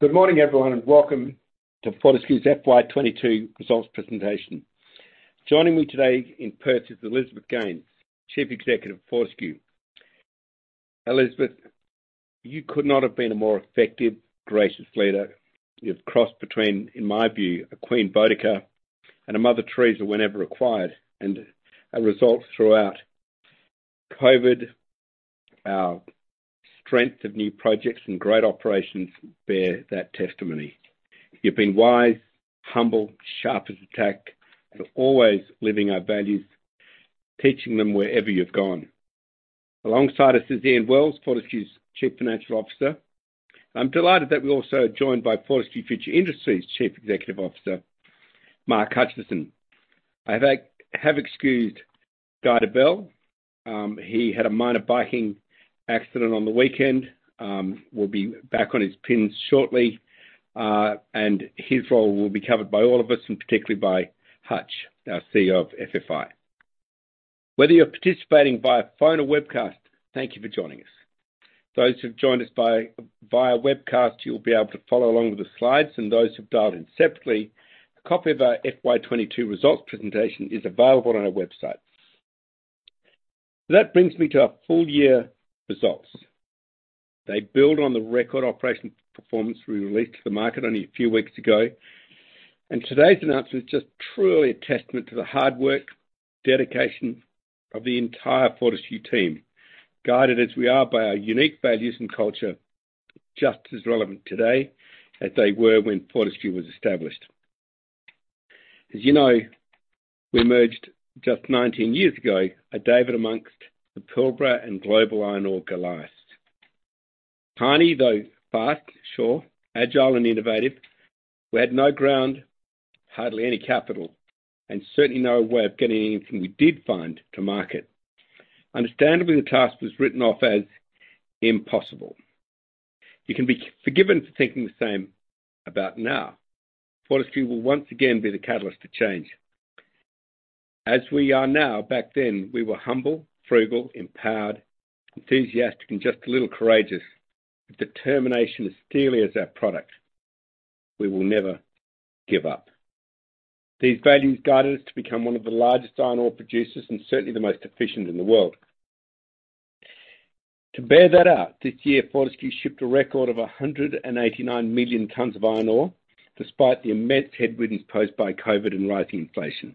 Good morning, everyone, and welcome to Fortescue's FY 2022 results presentation. Joining me today in Perth is Elizabeth Gaines, Chief Executive of Fortescue. Elizabeth, you could not have been a more effective, gracious leader. You've crossed between, in my view, a Queen Boudica and a Mother Teresa whenever required, and our results throughout COVID, our strength of new projects and great operations bear that testimony. You've been wise, humble, sharp as a tack, and always living our values, teaching them wherever you've gone. Alongside us is Ian Wells, Fortescue's Chief Financial Officer. I'm delighted that we're also joined by Fortescue Future Industries' Chief Executive Officer, Mark Hutchinson. I have excused Guy Debelle. He had a minor biking accident on the weekend. He will be back on his pins shortly. His role will be covered by all of us, and particularly by Hutch, our CEO of FFI. Whether you're participating via phone or webcast, thank you for joining us. Those who've joined us via webcast, you'll be able to follow along with the slides, and those who've dialed in separately, a copy of our FY 2022 results presentation is available on our website. That brings me to our full year results. They build on the record operational performance we released to the market only a few weeks ago. Today's announcement is just truly a testament to the hard work, dedication of the entire Fortescue team, guided as we are by our unique values and culture, just as relevant today as they were when Fortescue was established. As you know, we emerged just 19 years ago, a David amongst the Pilbara and global iron ore Goliaths. Tiny, though fast, sure, agile and innovative. We had no ground, hardly any capital, and certainly no way of getting anything we did find to market. Understandably, the task was written off as impossible. You can be forgiven for thinking the same about now. Fortescue will once again be the catalyst to change. As we are now, back then, we were humble, frugal, empowered, enthusiastic, and just a little courageous. Determination as steely as our product. We will never give up. These values guided us to become one of the largest iron ore producers and certainly the most efficient in the world. To bear that out, this year, Fortescue shipped a record of 189 million tons of iron ore, despite the immense headwinds posed by COVID and rising inflation.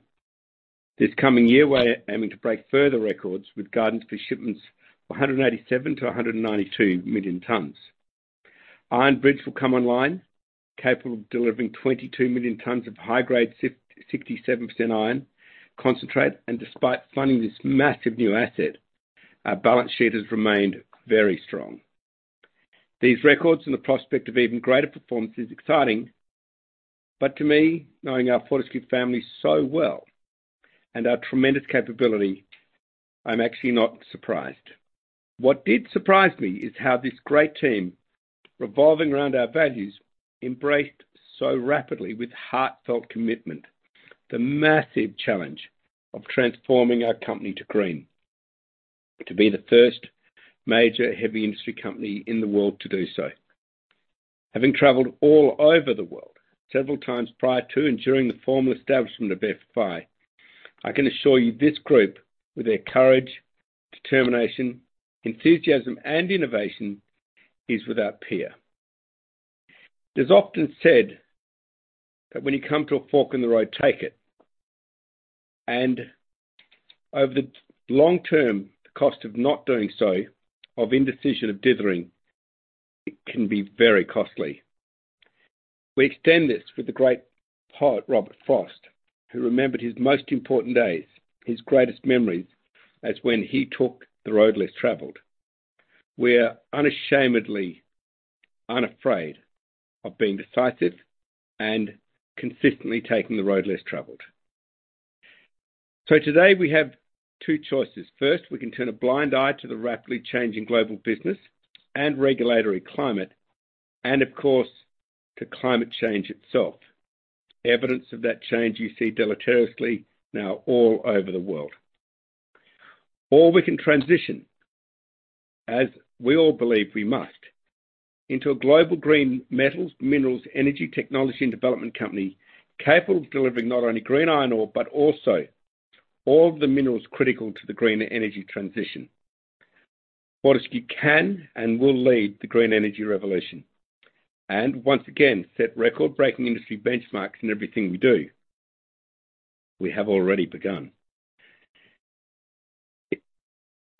This coming year, we're aiming to break further records with guidance for shipments of 187-192 million tons. Iron Bridge will come online, capable of delivering 22 million tons of high-grade 67% iron concentrate, and despite funding this massive new asset, our balance sheet has remained very strong. These records and the prospect of even greater performance is exciting. To me, knowing our Fortescue family so well and our tremendous capability, I'm actually not surprised. What did surprise me is how this great team, revolving around our values, embraced so rapidly with heartfelt commitment, the massive challenge of transforming our company to green. To be the first major heavy industry company in the world to do so. Having traveled all over the world several times prior to and during the formal establishment of FFI, I can assure you this group, with their courage, determination, enthusiasm, and innovation, is without peer. It is often said that when you come to a fork in the road, take it. Over the long term, the cost of not doing so, of indecision, of dithering, it can be very costly. We extend this with the great poet, Robert Frost, who remembered his most important days, his greatest memories, as when he took the road less traveled. We're unashamedly unafraid of being decisive and consistently taking the road less traveled. Today, we have two choices. First, we can turn a blind eye to the rapidly changing global business and regulatory climate and of course, to climate change itself. Evidence of that change you see deleteriously now all over the world. We can transition, as we all believe we must, into a global green metals, minerals, energy, technology, and development company capable of delivering not only green iron ore, but also all of the minerals critical to the green energy transition. Fortescue can and will lead the green energy revolution and once again, set record-breaking industry benchmarks in everything we do. We have already begun.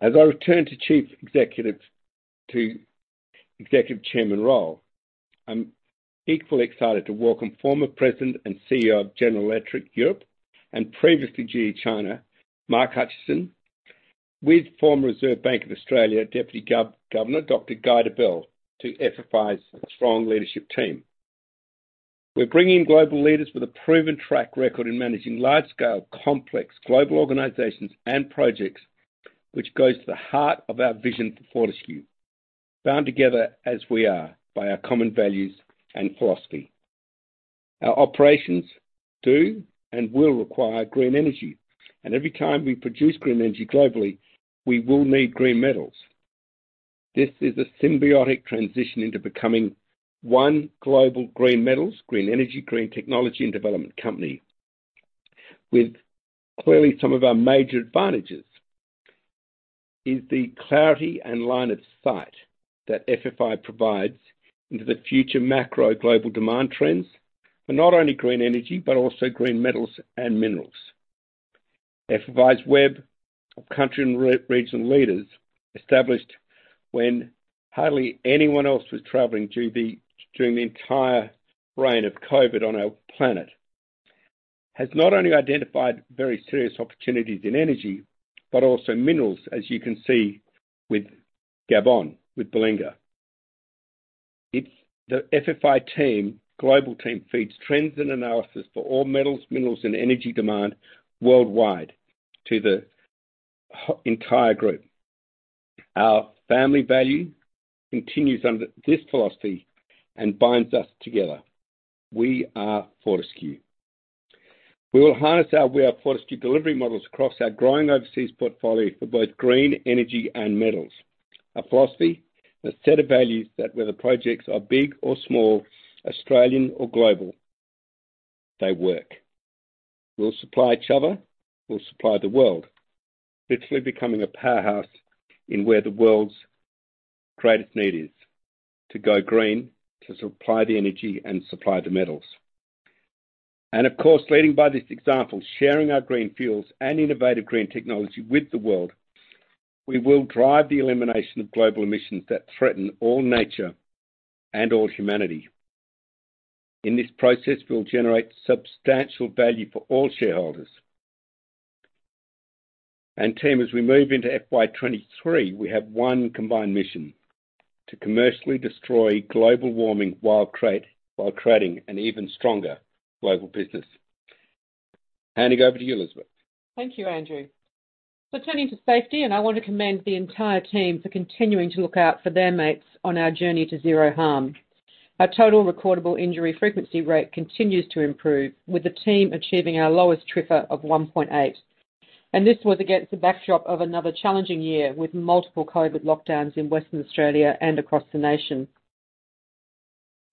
As I return to Executive Chairman role, I'm equally excited to welcome former President and CEO of General Electric Europe and previously GE China, Mark Hutchinson, with former Reserve Bank of Australia Deputy Governor, Dr. Guy Debelle, to FFI's strong leadership team. We're bringing global leaders with a proven track record in managing large-scale, complex global organizations and projects, which goes to the heart of our vision for Fortescue, bound together as we are by our common values and philosophy. Our operations do and will require green energy. Every time we produce green energy globally, we will need green metals. This is a symbiotic transition into becoming one global green metals, green energy, green technology, and development company. With clearly some of our major advantages is the clarity and line of sight that FFI provides into the future macro global demand trends for not only green energy, but also green metals and minerals. FFI's web of country and regional leaders, established when hardly anyone else was traveling during the entire reign of COVID on our planet, has not only identified very serious opportunities in energy, but also minerals, as you can see with Gabon, with Belinga. It's the FFI team, global team, feeds trends and analysis for all metals, minerals, and energy demand worldwide to the entire group. Our family value continues under this philosophy and binds us together. We are Fortescue. We will harness our We Are Fortescue delivery models across our growing overseas portfolio for both green energy and metals. A philosophy and a set of values that whether projects are big or small, Australian or global, they work. We'll supply each other. We'll supply the world, literally becoming a powerhouse in where the world's greatest need is, to go green, to supply the energy, and supply the metals. Of course, leading by this example, sharing our green fuels and innovative green technology with the world, we will drive the elimination of global emissions that threaten all nature and all humanity. In this process, we'll generate substantial value for all shareholders. Team, as we move into FY 2023, we have one combined mission, to commercially destroy global warming while creating an even stronger global business. Handing over to you, Elizabeth. Thank you, Andrew. Turning to safety, I want to commend the entire team for continuing to look out for their mates on our journey to zero harm. Our total recordable injury frequency rate continues to improve, with the team achieving our lowest TRIFR of 1.8. This was against the backdrop of another challenging year, with multiple COVID lockdowns in Western Australia and across the nation.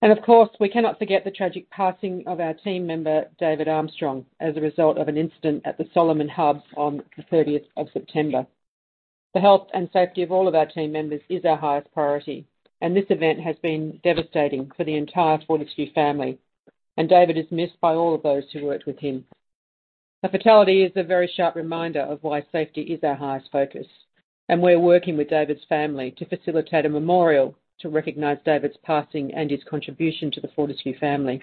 Of course, we cannot forget the tragic passing of our team member, David Armstrong, as a result of an incident at the Solomon Hub on the 30th of September. The health and safety of all of our team members is our highest priority. This event has been devastating for the entire Fortescue family, and David is missed by all of those who worked with him. The fatality is a very sharp reminder of why safety is our highest focus, and we're working with David's family to facilitate a memorial to recognize David's passing and his contribution to the Fortescue family.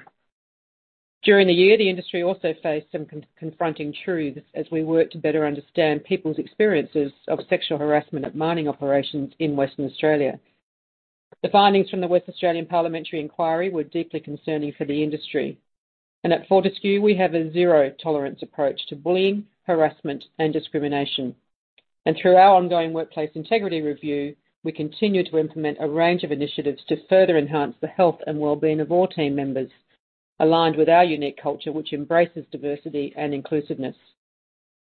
During the year, the industry also faced some confronting truths as we worked to better understand people's experiences of sexual harassment at mining operations in Western Australia. The findings from the Western Australian Parliamentary inquiry were deeply concerning for the industry. At Fortescue, we have a zero-tolerance approach to bullying, harassment, and discrimination. Through our ongoing workplace integrity review, we continue to implement a range of initiatives to further enhance the health and well-being of all team members, aligned with our unique culture, which embraces diversity and inclusiveness.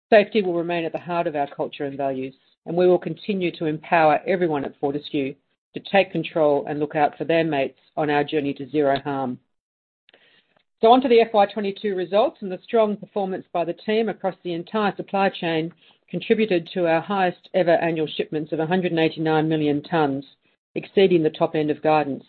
Safety will remain at the heart of our culture and values, and we will continue to empower everyone at Fortescue to take control and look out for their mates on our journey to zero harm. On to the FY 2022 results, the strong performance by the team across the entire supply chain contributed to our highest ever annual shipments of 189 million tons, exceeding the top end of guidance.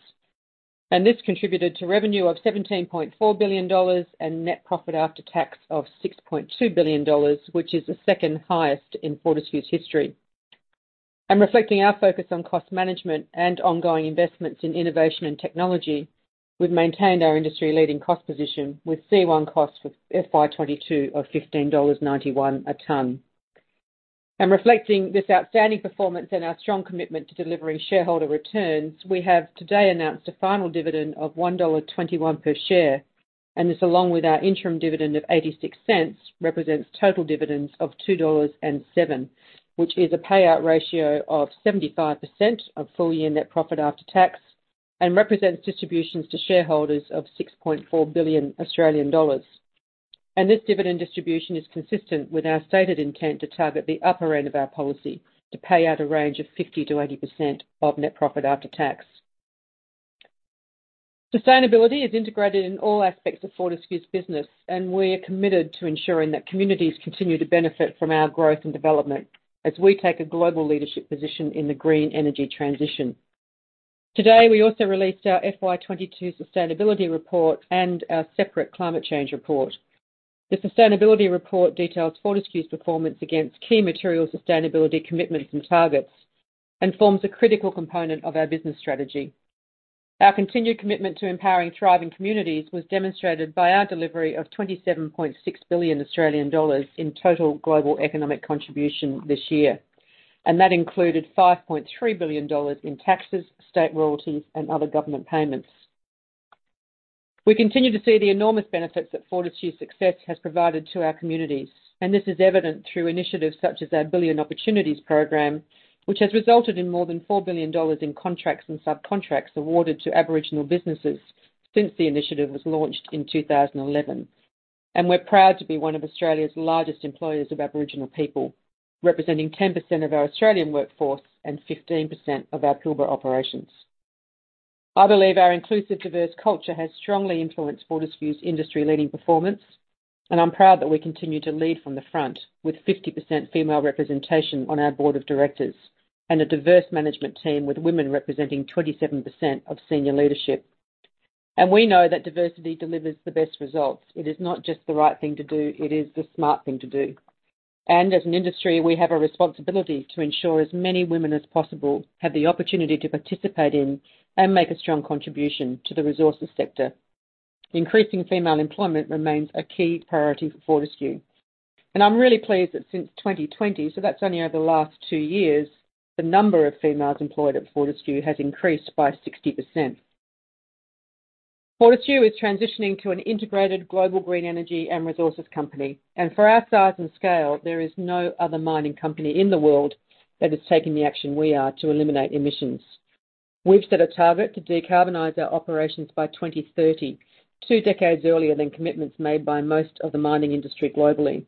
This contributed to revenue of 17.4 billion dollars and net profit after tax of 6.2 billion dollars, which is the second highest in Fortescue's history. Reflecting our focus on cost management and ongoing investments in innovation and technology, we've maintained our industry-leading cost position with C1 costs for FY 2022 of AUD 15.91 a ton. Reflecting this outstanding performance and our strong commitment to delivering shareholder returns, we have today announced a final dividend of 1.21 dollar per share, and this, along with our interim dividend of 0.86, represents total dividends of 2.07 dollars, which is a payout ratio of 75% of full-year NPAT and represents distributions to shareholders of 6.4 billion Australian dollars. This dividend distribution is consistent with our stated intent to target the upper end of our policy to pay out a range of 50%-80% of NPAT. Sustainability is integrated in all aspects of Fortescue's business, and we are committed to ensuring that communities continue to benefit from our growth and development as we take a global leadership position in the green energy transition. Today, we also released our FY 2022 sustainability report and our separate climate change report. The sustainability report details Fortescue's performance against key material sustainability commitments and targets and forms a critical component of our business strategy. Our continued commitment to empowering thriving communities was demonstrated by our delivery of 27.6 billion Australian dollars in total global economic contribution this year, and that included 5.3 billion dollars in taxes, state royalties, and other government payments. We continue to see the enormous benefits that Fortescue's success has provided to our communities, and this is evident through initiatives such as our Billion Opportunities program, which has resulted in more than 4 billion dollars in contracts and subcontracts awarded to Aboriginal businesses since the initiative was launched in 2011. We're proud to be one of Australia's largest employers of Aboriginal people, representing 10% of our Australian workforce and 15% of our Pilbara operations. I believe our inclusive, diverse culture has strongly influenced Fortescue's industry-leading performance, and I'm proud that we continue to lead from the front with 50% female representation on our board of directors and a diverse management team with women representing 27% of senior leadership. We know that diversity delivers the best results. It is not just the right thing to do, it is the smart thing to do. As an industry, we have a responsibility to ensure as many women as possible have the opportunity to participate in and make a strong contribution to the resources sector. Increasing female employment remains a key priority for Fortescue. I'm really pleased that since 2020, so that's only over the last two years, the number of females employed at Fortescue has increased by 60%. Fortescue is transitioning to an integrated global green energy and resources company. For our size and scale, there is no other mining company in the world that is taking the action we are to eliminate emissions. We've set a target to decarbonize our operations by 2030, two decades earlier than commitments made by most of the mining industry globally.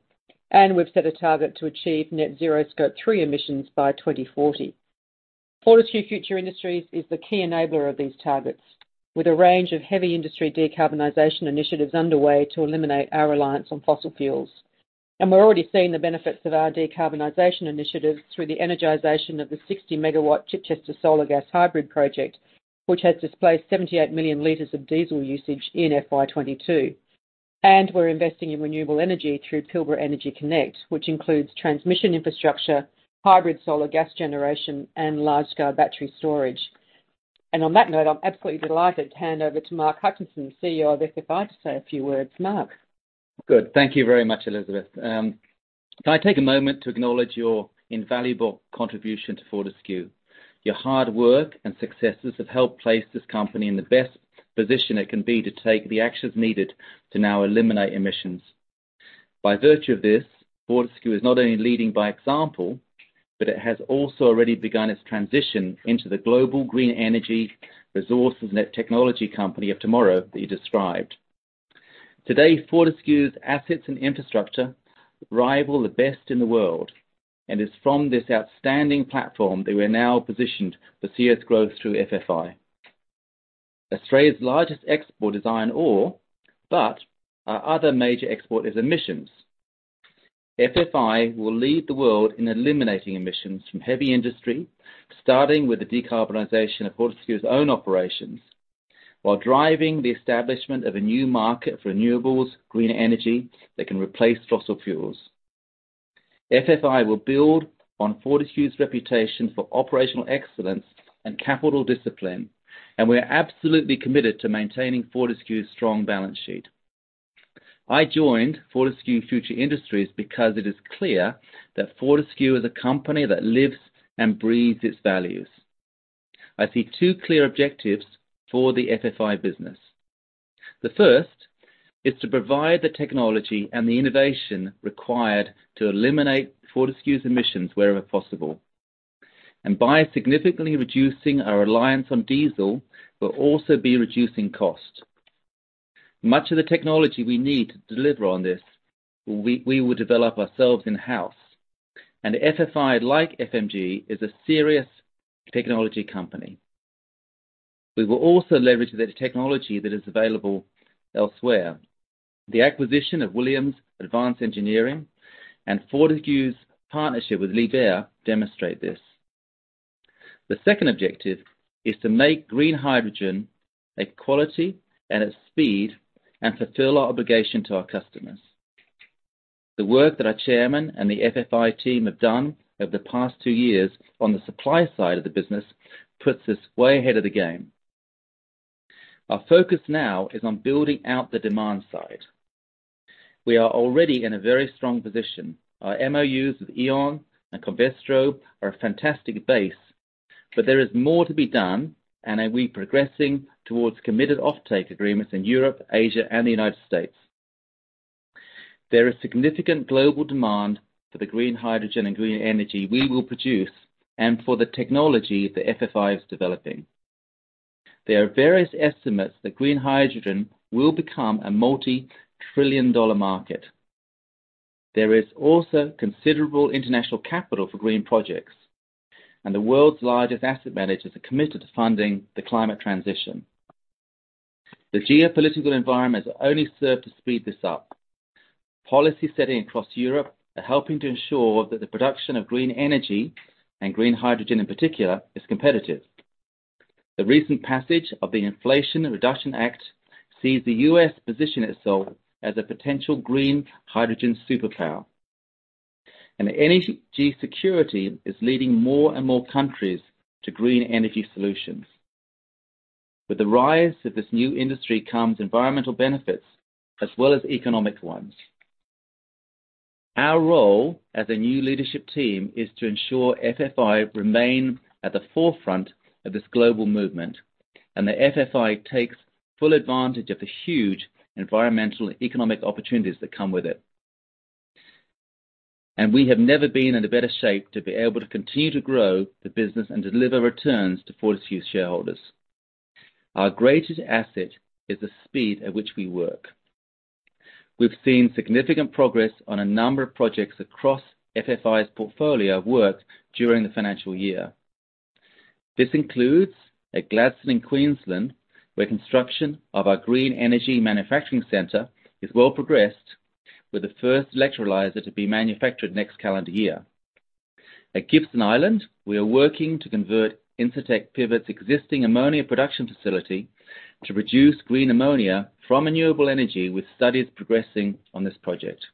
We've set a target to achieve net zero Scope 3 emissions by 2040. Fortescue Future Industries is the key enabler of these targets, with a range of heavy industry decarbonization initiatives underway to eliminate our reliance on fossil fuels. We're already seeing the benefits of our decarbonization initiatives through the energization of the 60 MW Chichester Solar Gas Hybrid project, which has displaced 78 million liters of diesel usage in FY 2022. We're investing in renewable energy through Pilbara Energy Connect, which includes transmission infrastructure, hybrid solar gas generation, and large-scale battery storage. On that note, I'm absolutely delighted to hand over to Mark Hutchinson, CEO of FFI, to say a few words. Mark. Good. Thank you very much, Elizabeth. Can I take a moment to acknowledge your invaluable contribution to Fortescue? Your hard work and successes have helped place this company in the best position it can be to take the actions needed to now eliminate emissions. By virtue of this, Fortescue is not only leading by example, but it has also already begun its transition into the global green energy resources and technology company of tomorrow that you described. Today, Fortescue's assets and infrastructure rival the best in the world, and it's from this outstanding platform that we're now positioned to see its growth through FFI. Australia's largest export is iron ore, but our other major export is emissions. FFI will lead the world in eliminating emissions from heavy industry, starting with the decarbonization of Fortescue's own operations, while driving the establishment of a new market for renewables, greener energy that can replace fossil fuels. FFI will build on Fortescue's reputation for operational excellence and capital discipline, and we are absolutely committed to maintaining Fortescue's strong balance sheet. I joined Fortescue Future Industries because it is clear that Fortescue is a company that lives and breathes its values. I see two clear objectives for the FFI business. The first is to provide the technology and the innovation required to eliminate Fortescue's emissions wherever possible. By significantly reducing our reliance on diesel, we'll also be reducing cost. Much of the technology we need to deliver on this, we will develop ourselves in-house. FFI, like FMG, is a serious technology company. We will also leverage the technology that is available elsewhere. The acquisition of Williams Advanced Engineering and Fortescue's partnership with Liebherr demonstrate this. The second objective is to make green hydrogen at quality and at speed and fulfill our obligation to our customers. The work that our chairman and the FFI team have done over the past two years on the supply side of the business puts us way ahead of the game. Our focus now is on building out the demand side. We are already in a very strong position. Our MOUs with E.ON and Covestro are a fantastic base, but there is more to be done, and we are progressing towards committed offtake agreements in Europe, Asia, and the United States. There is significant global demand for the green hydrogen and green energy we will produce and for the technology that FFI is developing. There are various estimates that green hydrogen will become a multi-trillion-dollar market. There is also considerable international capital for green projects, and the world's largest asset managers are committed to funding the climate transition. The geopolitical environment has only served to speed this up. Policy setting across Europe are helping to ensure that the production of green energy, and green hydrogen in particular, is competitive. The recent passage of the Inflation Reduction Act sees the U.S. position itself as a potential green hydrogen superpower. Energy security is leading more and more countries to green energy solutions. With the rise of this new industry comes environmental benefits as well as economic ones. Our role as a new leadership team is to ensure FFI remain at the forefront of this global movement, and that FFI takes full advantage of the huge environmental and economic opportunities that come with it. We have never been in a better shape to be able to continue to grow the business and deliver returns to Fortescue's shareholders. Our greatest asset is the speed at which we work. We've seen significant progress on a number of projects across FFI's portfolio of work during the financial year. This includes at Gladstone in Queensland, where construction of our green energy manufacturing center is well progressed, with the first electrolyzer to be manufactured next calendar year. At Gibson Island, we are working to convert Incitec Pivot's existing ammonia production facility to produce green ammonia from renewable energy, with studies progressing on this project.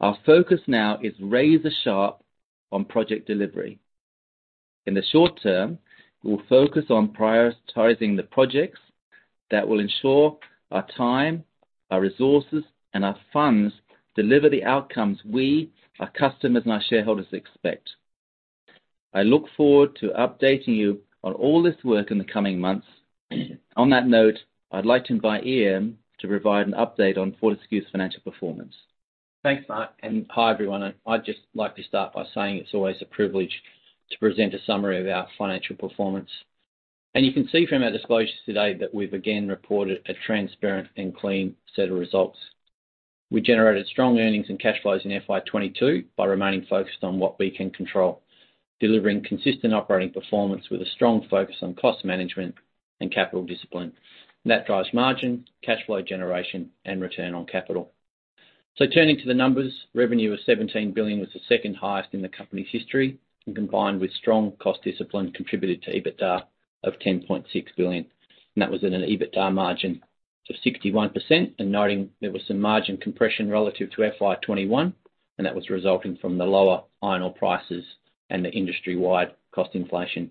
Our focus now is razor-sharp on project delivery. In the short term, we'll focus on prioritizing the projects that will ensure our time, our resources, and our funds deliver the outcomes we, our customers, and our shareholders expect. I look forward to updating you on all this work in the coming months. On that note, I'd like to invite Ian to provide an update on Fortescue's financial performance. Thanks, Mark, and hi, everyone. I'd just like to start by saying it's always a privilege to present a summary of our financial performance. You can see from our disclosures today that we've again reported a transparent and clean set of results. We generated strong earnings and cash flows in FY 2022 by remaining focused on what we can control, delivering consistent operating performance with a strong focus on cost management and capital discipline. That drives margin, cash flow generation, and return on capital. Turning to the numbers, revenue of 17 billion was the second highest in the company's history and combined with strong cost discipline contributed to EBITDA of 10.6 billion. that was in an EBITDA margin of 61% and noting there was some margin compression relative to FY 2021, and that was resulting from the lower iron ore prices and the industry-wide cost inflation.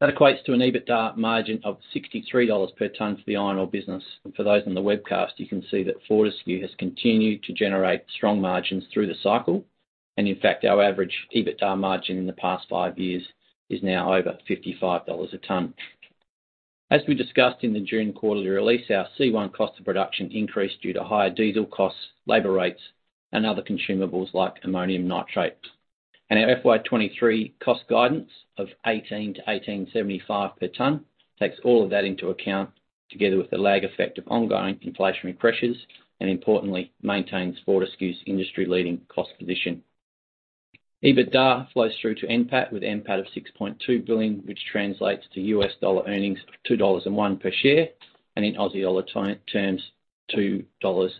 That equates to an EBITDA margin of $63 per ton for the iron ore business. in fact, our average EBITDA margin in the past five years is now over $55 a ton. As we discussed in the June quarterly release, our C1 cost of production increased due to higher diesel costs, labor rates, and other consumables like ammonium nitrate. Our FY 2023 cost guidance of 18-18.75 per ton takes all of that into account, together with the lag effect of ongoing inflationary pressures, and importantly, maintains Fortescue's industry-leading cost position. EBITDA flows through to NPAT, with NPAT of 6.2 billion, which translates to U.S. dollar earnings of $2.01 per share, and in Aussie dollar terms, 2.77 dollars.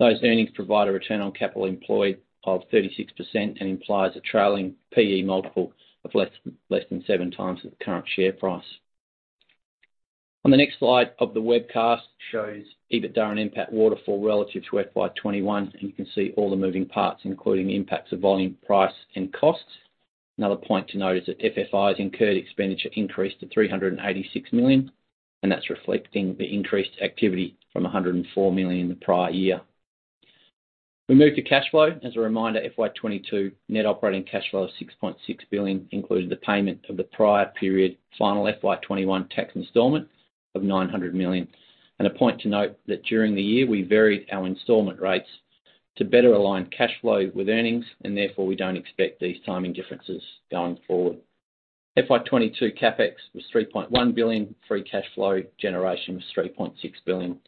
Those earnings provide a return on capital employed of 36% and implies a trailing P/E multiple of less than 7 times the current share price. On the next slide of the webcast shows EBITDA and NPAT waterfall relative to FY 2021, and you can see all the moving parts, including the impacts of volume, price, and costs. Another point to note is that FFI's incurred expenditure increased to 386 million, and that's reflecting the increased activity from 104 million in the prior year. We move to cash flow. As a reminder, FY 2022 net operating cash flow of 6.6 billion included the payment of the prior period final FY 2021 tax installment of 900 million. A point to note that during the year, we varied our installment rates to better align cash flow with earnings, and therefore, we don't expect these timing differences going forward. FY 2022 CapEx was 3.1 billion. Free cash flow generation was 3.6 billion.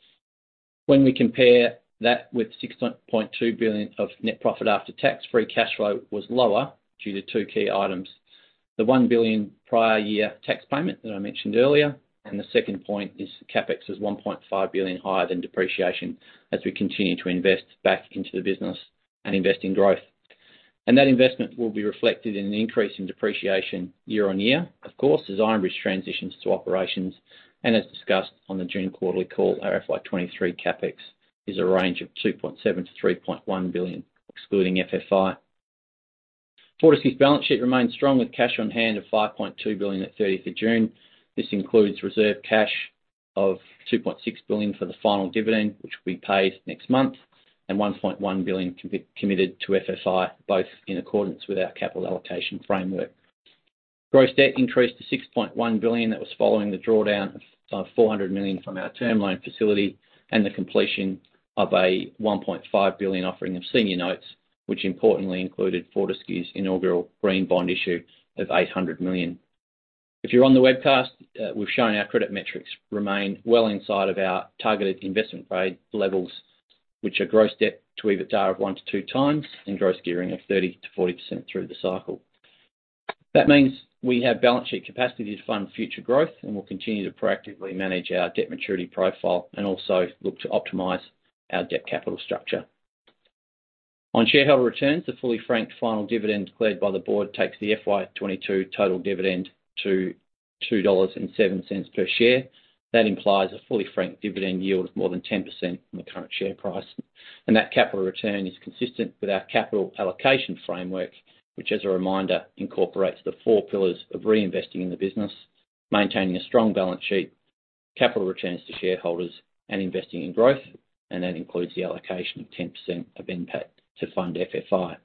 When we compare that with 6.2 billion of net profit after tax, free cash flow was lower due to two key items. The one billion prior year tax payment that I mentioned earlier, and the second point is CapEx is 1.5 billion higher than depreciation as we continue to invest back into the business and invest in growth. That investment will be reflected in an increase in depreciation year-on-year, of course, as Iron Bridge transitions to operations. As discussed on the June quarterly call, our FY 2023 CapEx is a range of 2.7 billion-3.1 billion, excluding FFI. Fortescue's balance sheet remains strong, with cash on hand of 5.2 billion at 30th of June. This includes reserve cash of 2.6 billion for the final dividend, which will be paid next month, and 1.1 billion committed to FFI, both in accordance with our capital allocation framework. Gross debt increased to 6.1 billion. That was following the drawdown of 400 million from our term loan facility and the completion of a 1.5 billion offering of senior notes, which importantly included Fortescue's inaugural green bond issue of 800 million. If you're on the webcast, we've shown our credit metrics remain well inside of our targeted investment grade levels, which are gross debt to EBITDA of 1-2x and gross gearing of 30%-40% through the cycle. That means we have balance sheet capacity to fund future growth and will continue to proactively manage our debt maturity profile and also look to optimize our debt capital structure. On shareholder returns, the fully franked final dividend declared by the board takes the FY 2022 total dividend to 2.07 dollars per share. That implies a fully franked dividend yield of more than 10% on the current share price. That capital return is consistent with our capital allocation framework, which, as a reminder, incorporates the four pillars of reinvesting in the business, maintaining a strong balance sheet, capital returns to shareholders, and investing in growth, and that includes the allocation of 10% of NPAT to fund FFI.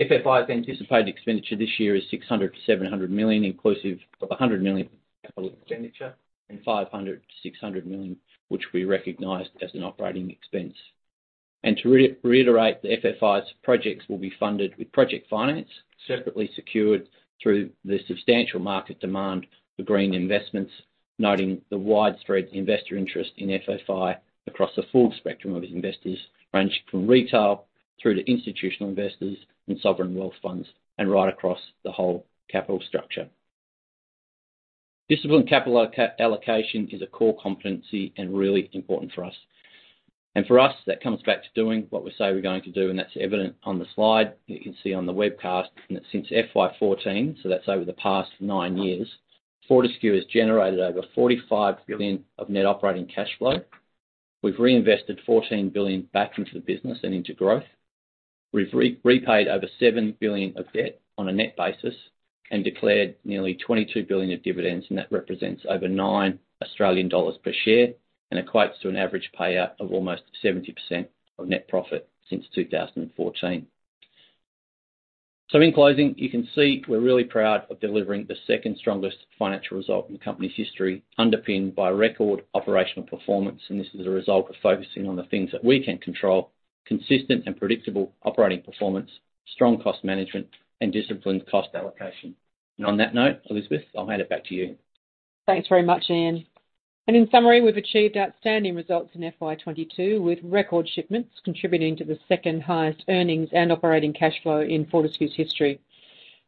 FFI's anticipated expenditure this year is 600-700 million, inclusive of 100 million capital expenditure and 500-600 million, which we recognized as an operating expense. To reiterate, FFI's projects will be funded with project finance separately secured through the substantial market demand for green investments, noting the widespread investor interest in FFI across a full spectrum of investors, ranging from retail through to institutional investors and sovereign wealth funds, and right across the whole capital structure. Discipline capital allocation is a core competency and really important for us. For us, that comes back to doing what we say we're going to do, and that's evident on the slide. You can see on the webcast that since FY 2014, so that's over the past nine years, Fortescue has generated over AUD 45 billion of net operating cash flow. We've reinvested AUD 14 billion back into the business and into growth. We've repaid over AUD 7 billion of debt on a net basis and declared nearly AUD 22 billion of dividends, and that represents over 9 Australian dollars per share and equates to an average payout of almost 70% of net profit since 2014. In closing, you can see we're really proud of delivering the second strongest financial result in the company's history, underpinned by record operational performance. This is a result of focusing on the things that we can control, consistent and predictable operating performance, strong cost management, and disciplined cost allocation. On that note, Elizabeth, I'll hand it back to you. Thanks very much, Ian. In summary, we've achieved outstanding results in FY 2022, with record shipments contributing to the second-highest earnings and operating cash flow in Fortescue's history.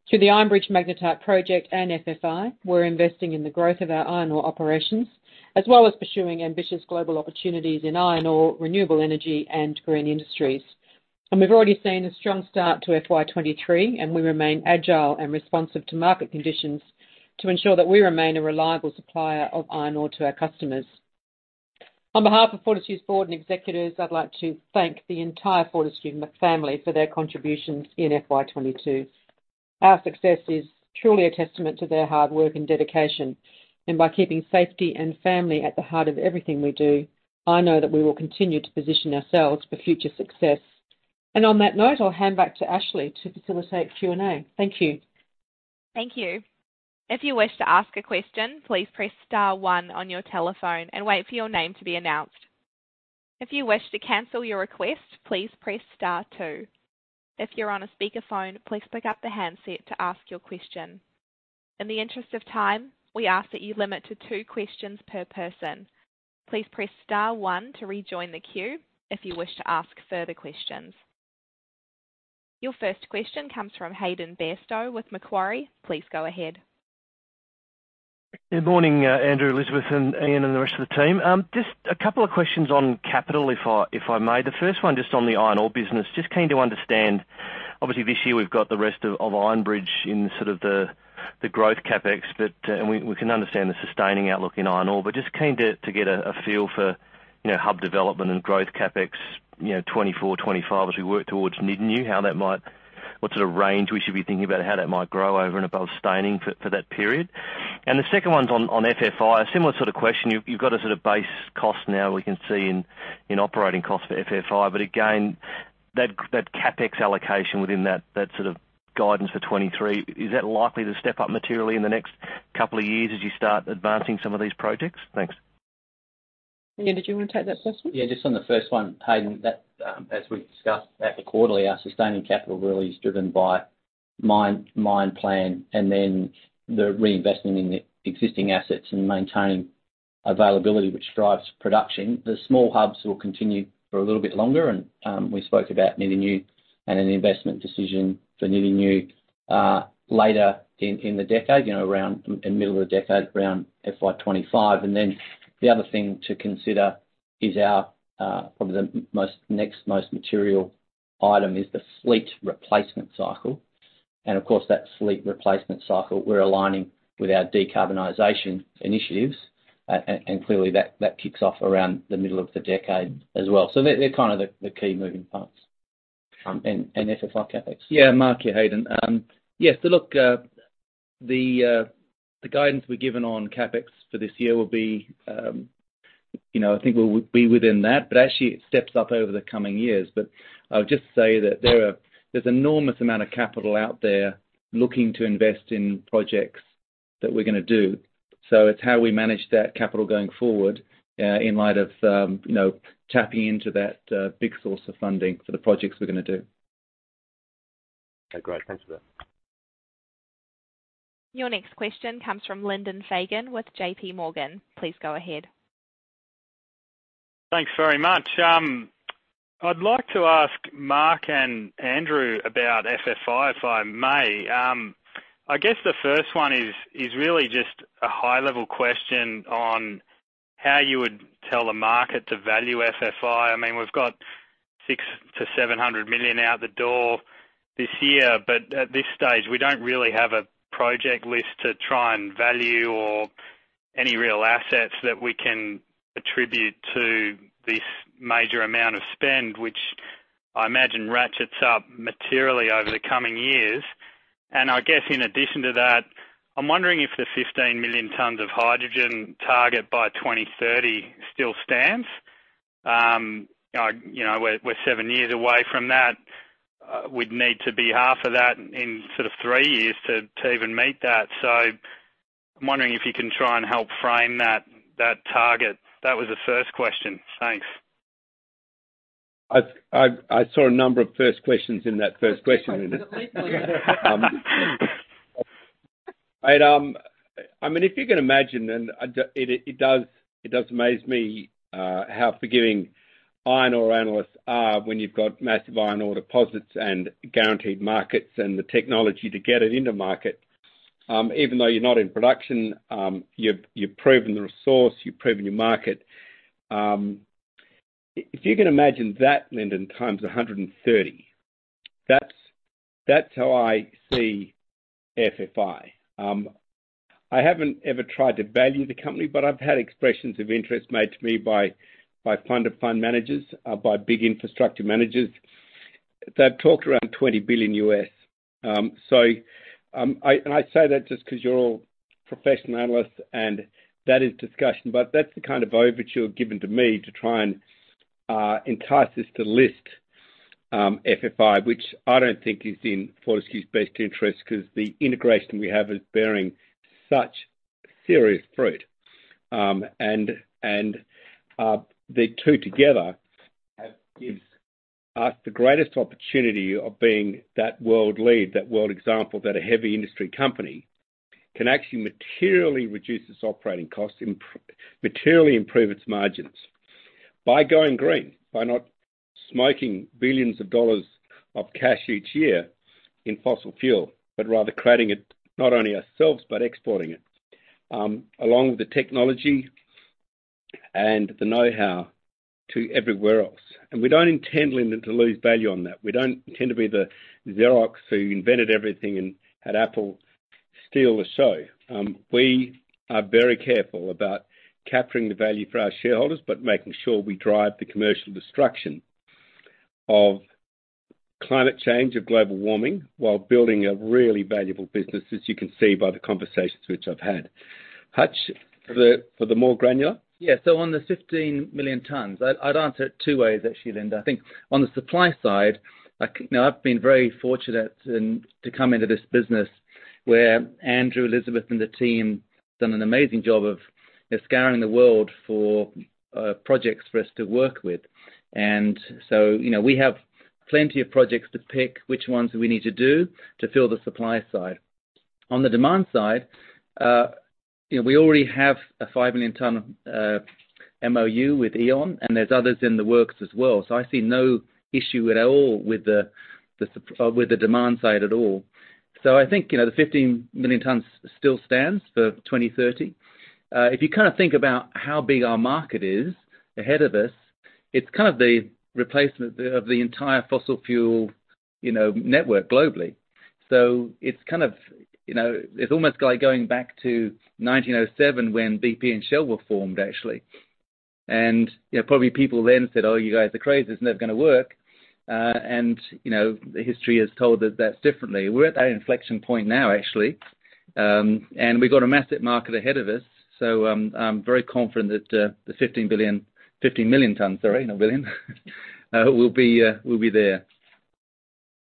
Through the Iron Bridge Magnetite Project and FFI, we're investing in the growth of our iron ore operations, as well as pursuing ambitious global opportunities in iron ore, renewable energy, and green industries. We've already seen a strong start to FY 2023, and we remain agile and responsive to market conditions to ensure that we remain a reliable supplier of iron ore to our customers. On behalf of Fortescue's board and executives, I'd like to thank the entire Fortescue family for their contributions in FY 2022. Our success is truly a testament to their hard work and dedication. By keeping safety and family at the heart of everything we do, I know that we will continue to position ourselves for future success. On that note, I'll hand back to Ashley to facilitate Q&A. Thank you. Thank you. If you wish to ask a question, please press star one on your telephone and wait for your name to be announced. If you wish to cancel your request, please press star two. If you're on a speakerphone, please pick up the handset to ask your question. In the interest of time, we ask that you limit to two questions per person. Please press star one to rejoin the queue if you wish to ask further questions. Your first question comes from Hayden Bairstow with Macquarie. Please go ahead. Good morning, Andrew, Elizabeth and Ian, and the rest of the team. Just a couple of questions on capital, if I may. The first one just on the iron ore business. Just keen to understand, obviously this year we've got the rest of Iron Bridge in sort of the growth CapEx, but and we can understand the sustaining outlook in iron ore, but just keen to get a feel for, you know, hub development and growth CapEx, you know, 2024, 2025 as we work towards Nyidinghu, how that might, what sort of range we should be thinking about how that might grow over and above sustaining for that period. The second one's on FFI, a similar sort of question. You've got a sort of base cost now we can see in operating costs for FFI, but again, that CapEx allocation within that sort of guidance for 2023, is that likely to step up materially in the next couple of years as you start advancing some of these projects? Thanks. Ian, did you want to take that first one? Yeah, just on the first one, Hayden, that, as we discussed at the quarterly, our sustaining capital really is driven by mine plan and then the reinvestment in the existing assets and maintaining availability, which drives production. The small hubs will continue for a little bit longer and, we spoke about Nyidinghu and an investment decision for Nyidinghu, later in the decade, you know, around in the middle of the decade, around FY 2025. Then the other thing to consider is our, probably the next most material item is the fleet replacement cycle. Of course, that fleet replacement cycle, we're aligning with our decarbonization initiatives. Clearly that kicks off around the middle of the decade as well. They're kind of the key moving parts, and FFI CapEx. Yeah, Mark here, Hayden. Yes, look, the guidance we're given on CapEx for this year will be, you know, I think will be within that, but actually it steps up over the coming years. I'll just say that there's enormous amount of capital out there looking to invest in projects that we're gonna do. It's how we manage that capital going forward, in light of, you know, tapping into that big source of funding for the projects we're gonna do. Okay, great. Thanks for that. Your next question comes from Lyndon Fagan with JPMorgan. Please go ahead. Thanks very much. I'd like to ask Mark and Andrew about FFI, if I may. I guess the first one is really just a high-level question on how you would tell the market to value FFI. I mean, we've got 600-700 million out the door this year, but at this stage, we don't really have a project list to try and value or any real assets that we can attribute to this major amount of spend, which I imagine ratchets up materially over the coming. I guess in addition to that, I'm wondering if the 15 million tons of hydrogen target by 2030 still stands. You know, we're seven years away from that. We'd need to be half of that in sort of three years to even meet that. I'm wondering if you can try and help frame that target. That was the first question. Thanks. I saw a number of first questions in that first question. I mean, if you can imagine, it does amaze me how forgiving iron ore analysts are when you've got massive iron ore deposits and guaranteed markets and the technology to get it into market. Even though you're not in production, you've proven the resource, you've proven your market. If you can imagine that Lyndon x130, that's how I see FFI. I haven't ever tried to value the company, but I've had expressions of interest made to me by fund of fund managers, by big infrastructure managers. They've talked around $20 billion. I say that just 'cause you're all professional analysts, and that is discussion. That's the kind of overture given to me to try and entice us to list FFI, which I don't think is in Fortescue's best interest 'cause the integration we have is bearing such serious fruit. And the two together have, gives us the greatest opportunity of being that world lead, that world example, that a heavy industry company can actually materially reduce its operating costs, materially improve its margins by going green, by not smoking billions of dollars of cash each year in fossil fuel, but rather creating it, not only ourselves, but exporting it, along with the technology and the know-how to everywhere else. And we don't intend, Lyndon, to lose value on that. We don't tend to be the Xerox who invented everything and had Apple steal the show. We are very careful about capturing the value for our shareholders, but making sure we drive the commercial destruction of climate change, of global warming while building a really valuable business, as you can see by the conversations which I've had. Hutch, for the more granular. Yeah. On the 15 million tons, I'd answer it two ways actually, Lyndon. I think on the supply side, like, you know, I've been very fortunate in to come into this business where Andrew, Elizabeth and the team done an amazing job of scouring the world for projects for us to work with. You know, we have plenty of projects to pick which ones we need to do to fill the supply side. On the demand side, you know, we already have a 5 million ton MOU with E.ON, and there's others in the works as well. I see no issue at all with the demand side at all. I think, you know, the 15 million tons still stands for 2030. If you kinda think about how big our market is ahead of us, it's kind of the replacement of the entire fossil fuel, you know, network globally. It's kind of, you know, it's almost like going back to 1907 when BP and Shell were formed actually. You know, probably people then said, "Oh, you guys are crazy. It's never gonna work." You know, the history has told us that differently. We're at that inflection point now, actually. We've got a massive market ahead of us. I'm very confident that the 15 billion, 15 million tons, sorry, not billion, will be there.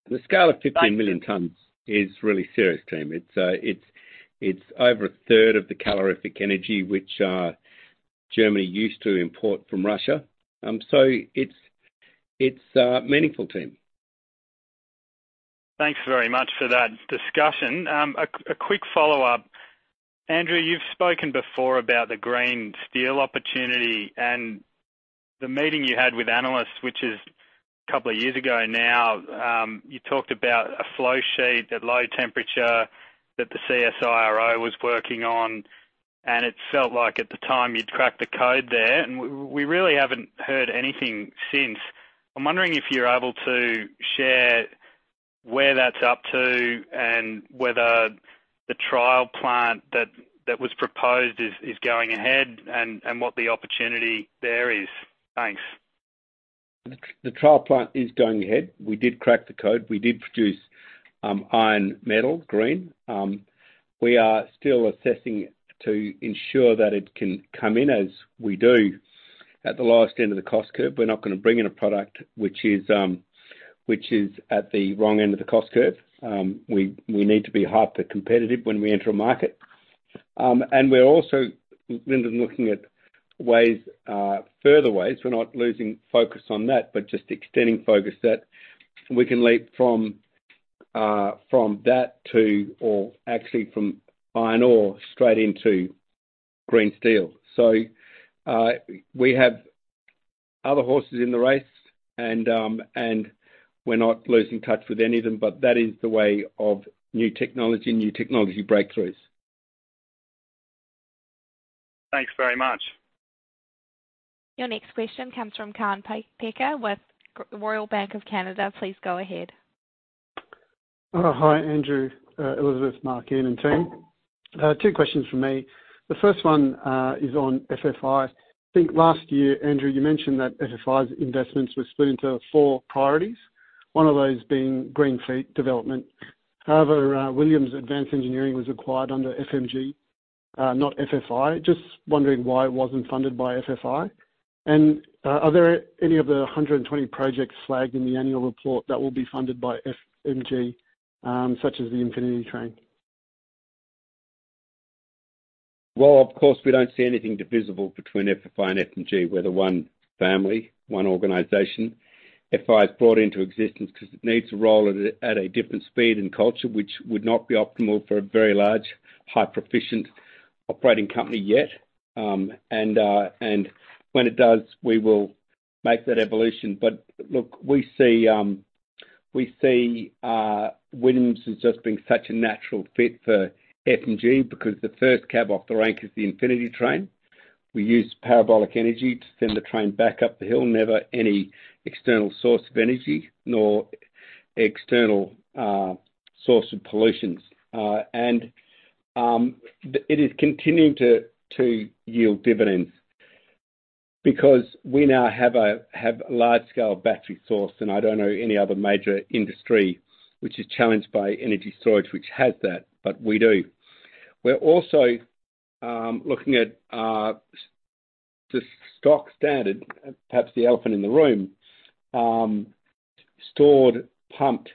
The scale of 15 million tons is really serious, team. It's over a third of the calorific energy which Germany used to import from Russia. It's meaningful, team. Thanks very much for that discussion. A quick follow-up. Andrew, you've spoken before about the green steel opportunity and the meeting you had with analysts, which is a couple of years ago now. You talked about a flow sheet at low temperature that the CSIRO was working on, and it felt like at the time you'd cracked the code there. We really haven't heard anything since. I'm wondering if you're able to share where that's up to and whether the trial plant that was proposed is going ahead and what the opportunity there is. Thanks. The trial plant is going ahead. We did crack the code. We did produce iron metal green. We are still assessing to ensure that it can come in as we do at the lowest end of the cost curve. We're not gonna bring in a product which is, which is at the wrong end of the cost curve. We need to be hyper competitive when we enter a market. We're also looking at ways, further ways. We're not losing focus on that, but just extending focus that we can leap from that to or actually from iron ore straight into green steel. We have other horses in the race and we're not losing touch with any of them, but that is the way of new technology breakthroughs. Thanks very much. Your next question comes from Kaan Peker with Royal Bank of Canada. Please go ahead. Hi, Andrew, Elizabeth, Mark, Ian, and team. Two questions from me. The first one is on FFI. I think last year, Andrew, you mentioned that FFI's investments were split into four priorities, one of those being green fleet development. However, Williams Advanced Engineering was acquired under FMG, not FFI. Just wondering why it wasn't funded by FFI. Are there any of the 120 projects flagged in the annual report that will be funded by FMG, such as the Infinity Train? Well, of course, we don't see anything divisive between FFI and FMG. We're the one family, one organization. FFI is brought into existence 'cause it needs to roll at a different speed and culture, which would not be optimal for a very large, highly proficient operating company yet. When it does, we will make that evolution. Look, we see Williams as just being such a natural fit for FMG because the first cab off the rank is the Infinity Train. We use battery energy to send the train back up the hill. Never any external source of energy nor external source of pollution. It is continuing to yield dividends because we now have a large-scale battery source, and I don't know any other major industry which is challenged by energy storage which has that, but we do. We're also looking at the stock standard, perhaps the elephant in the room, stored pumped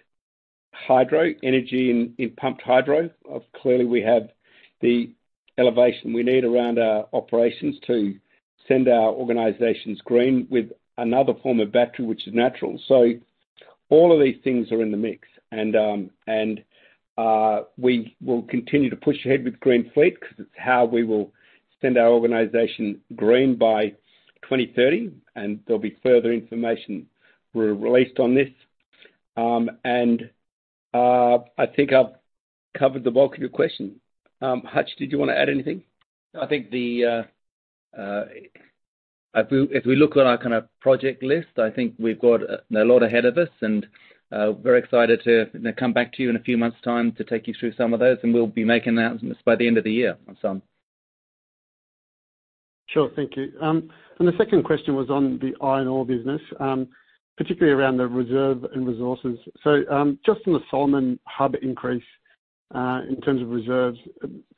hydro energy in pumped hydro. Clearly we have the elevation we need around our operations to make our organization green with another form of battery, which is natural. So all of these things are in the mix and we will continue to push ahead with green fleet 'cause it's how we will make our organization green by 2030, and there'll be further information we'll release on this. I think I've covered the bulk of your question. Hutch, did you wanna add anything? No, I think if we look at our kind of project list, I think we've got a lot ahead of us and very excited to, you know, come back to you in a few months' time to take you through some of those, and we'll be making announcements by the end of the year on some. Sure. Thank you. The second question was on the iron ore business, particularly around the reserve and resources. Just on the Solomon Hub increase, in terms of reserves,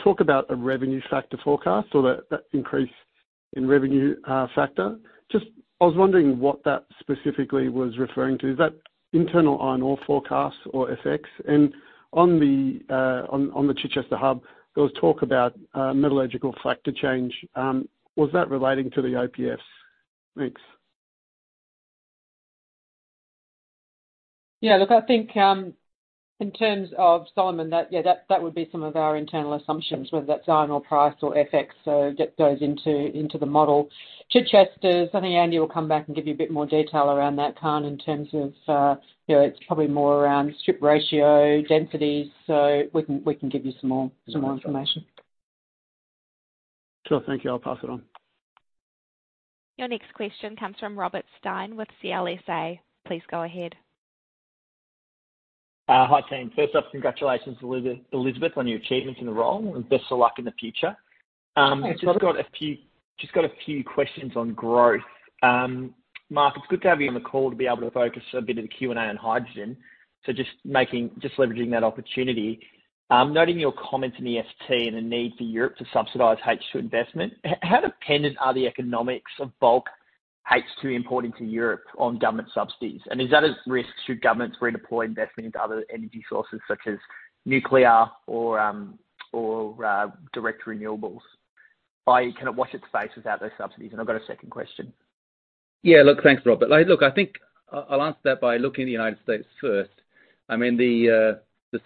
talk about a revenue factor forecast or that increase in revenue factor. I was wondering what that specifically was referring to. Is that internal iron ore forecasts or FX? On the Chichester Hub, there was talk about metallurgical factor change. Was that relating to the OPFs? Thanks. Yeah, look, I think in terms of Solomon, that would be some of our internal assumptions, whether that's iron ore price or FX. That goes into the model. Chichester, something Andy will come back and give you a bit more detail around that, Kaan, in terms of, it's probably more around strip ratio, densities. We can give you some more information. Sure. Thank you. I'll pass it on. Your next question comes from Robert Stein with CLSA. Please go ahead. Hi, team. First off, congratulations, Elizabeth, on your achievements in the role, and best of luck in the future. Thanks, Robert. Just got a few questions on growth. Mark, it's good to have you on the call to be able to focus a bit of the Q&A on hydrogen. Just leveraging that opportunity. Noting your comments in the FT and the need for Europe to subsidize H2 investment, how dependent are the economics of bulk H2 importing to Europe on government subsidies? And is that a risk should governments redeploy investment into other energy sources such as nuclear or direct renewables? I kind of watch this space without those subsidies. I've got a second question. Look, thanks, Robert. Like, look, I think I'll answer that by looking at the United States first. I mean, the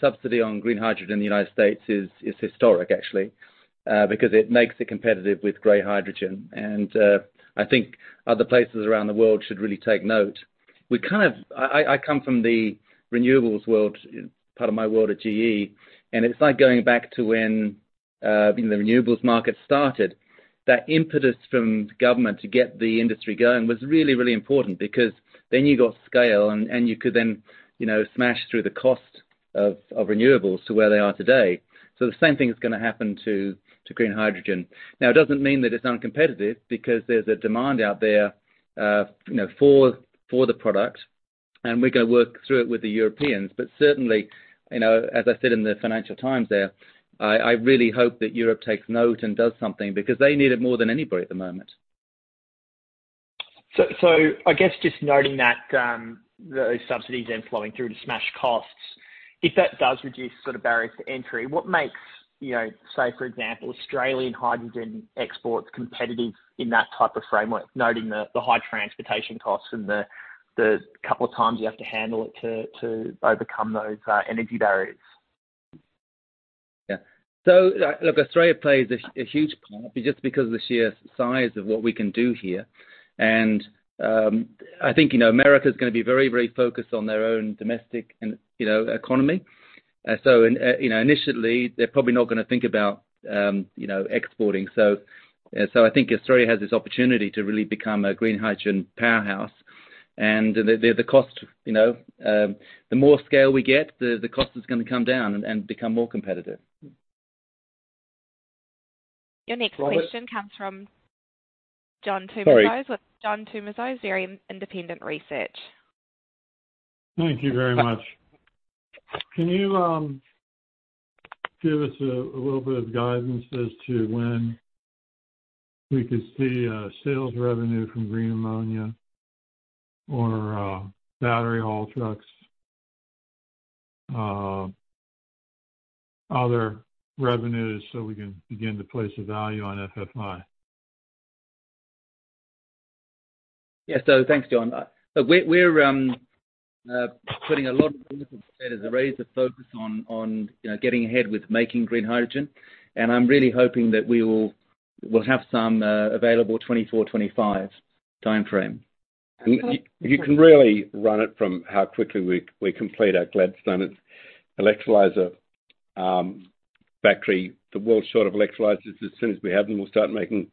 subsidy on green hydrogen in the United States is historic, actually, because it makes it competitive with gray hydrogen. I think other places around the world should really take note. We kind of I come from the renewables world, part of my world at GE, and it's like going back to when, you know, the renewables market started. That impetus from government to get the industry going was really important because then you got scale and you could then, you know, smash through the cost of renewables to where they are today. The same thing is gonna happen to green hydrogen. Now, it doesn't mean that it's uncompetitive because there's a demand out there, you know, for the product, and we're gonna work through it with the Europeans. Certainly, you know, as I said in the Financial Times there, I really hope that Europe takes note and does something because they need it more than anybody at the moment. I guess just noting that those subsidies then flowing through to slash costs, if that does reduce sort of barriers to entry, what makes, you know, say, for example, Australian hydrogen exports competitive in that type of framework, noting the high transportation costs and the couple of times you have to handle it to overcome those energy barriers? Yeah. Look, Australia plays a huge part just because of the sheer size of what we can do here. I think, you know, America is gonna be very, very focused on their own domestic and, you know, economy. Initially, you know, they're probably not gonna think about, you know, exporting. I think Australia has this opportunity to really become a green hydrogen powerhouse. The cost, you know, the more scale we get, the cost is gonna come down and become more competitive. Your next question comes from John Tumazos. Sorry. John Tumazos with Very Independent Research. Thank you very much. Can you give us a little bit of guidance as to when we could see sales revenue from green ammonia or battery haul trucks, other revenues so we can begin to place a value on FFI? Yeah. Thanks, John. Look, we're putting a lot of focus instead, as I raised, the focus on, you know, getting ahead with making green hydrogen. I'm really hoping that we'll have some available 2024-2025 timeframe. You can really run it from how quickly we complete our Gladstone electrolyzer factory. The world's short of electrolyzers, as soon as we have them, we'll start making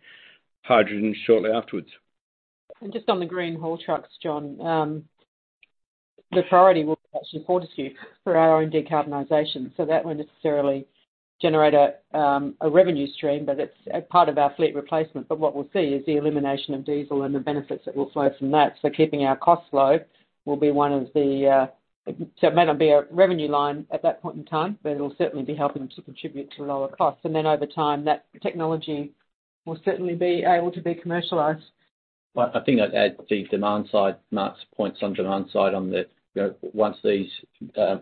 hydrogen shortly afterwards. Just on the green haul trucks, John, the priority will be actually Fortescue for our own decarbonization. That won't necessarily generate a revenue stream, but it's a part of our fleet replacement. What we'll see is the elimination of diesel and the benefits that will flow from that. Keeping our costs low will be one of the benefits. It may not be a revenue line at that point in time, but it'll certainly be helping to contribute to lower costs. Over time, that technology will certainly be able to be commercialized. I think I'd add the demand side, Mark's points on demand side, you know, once these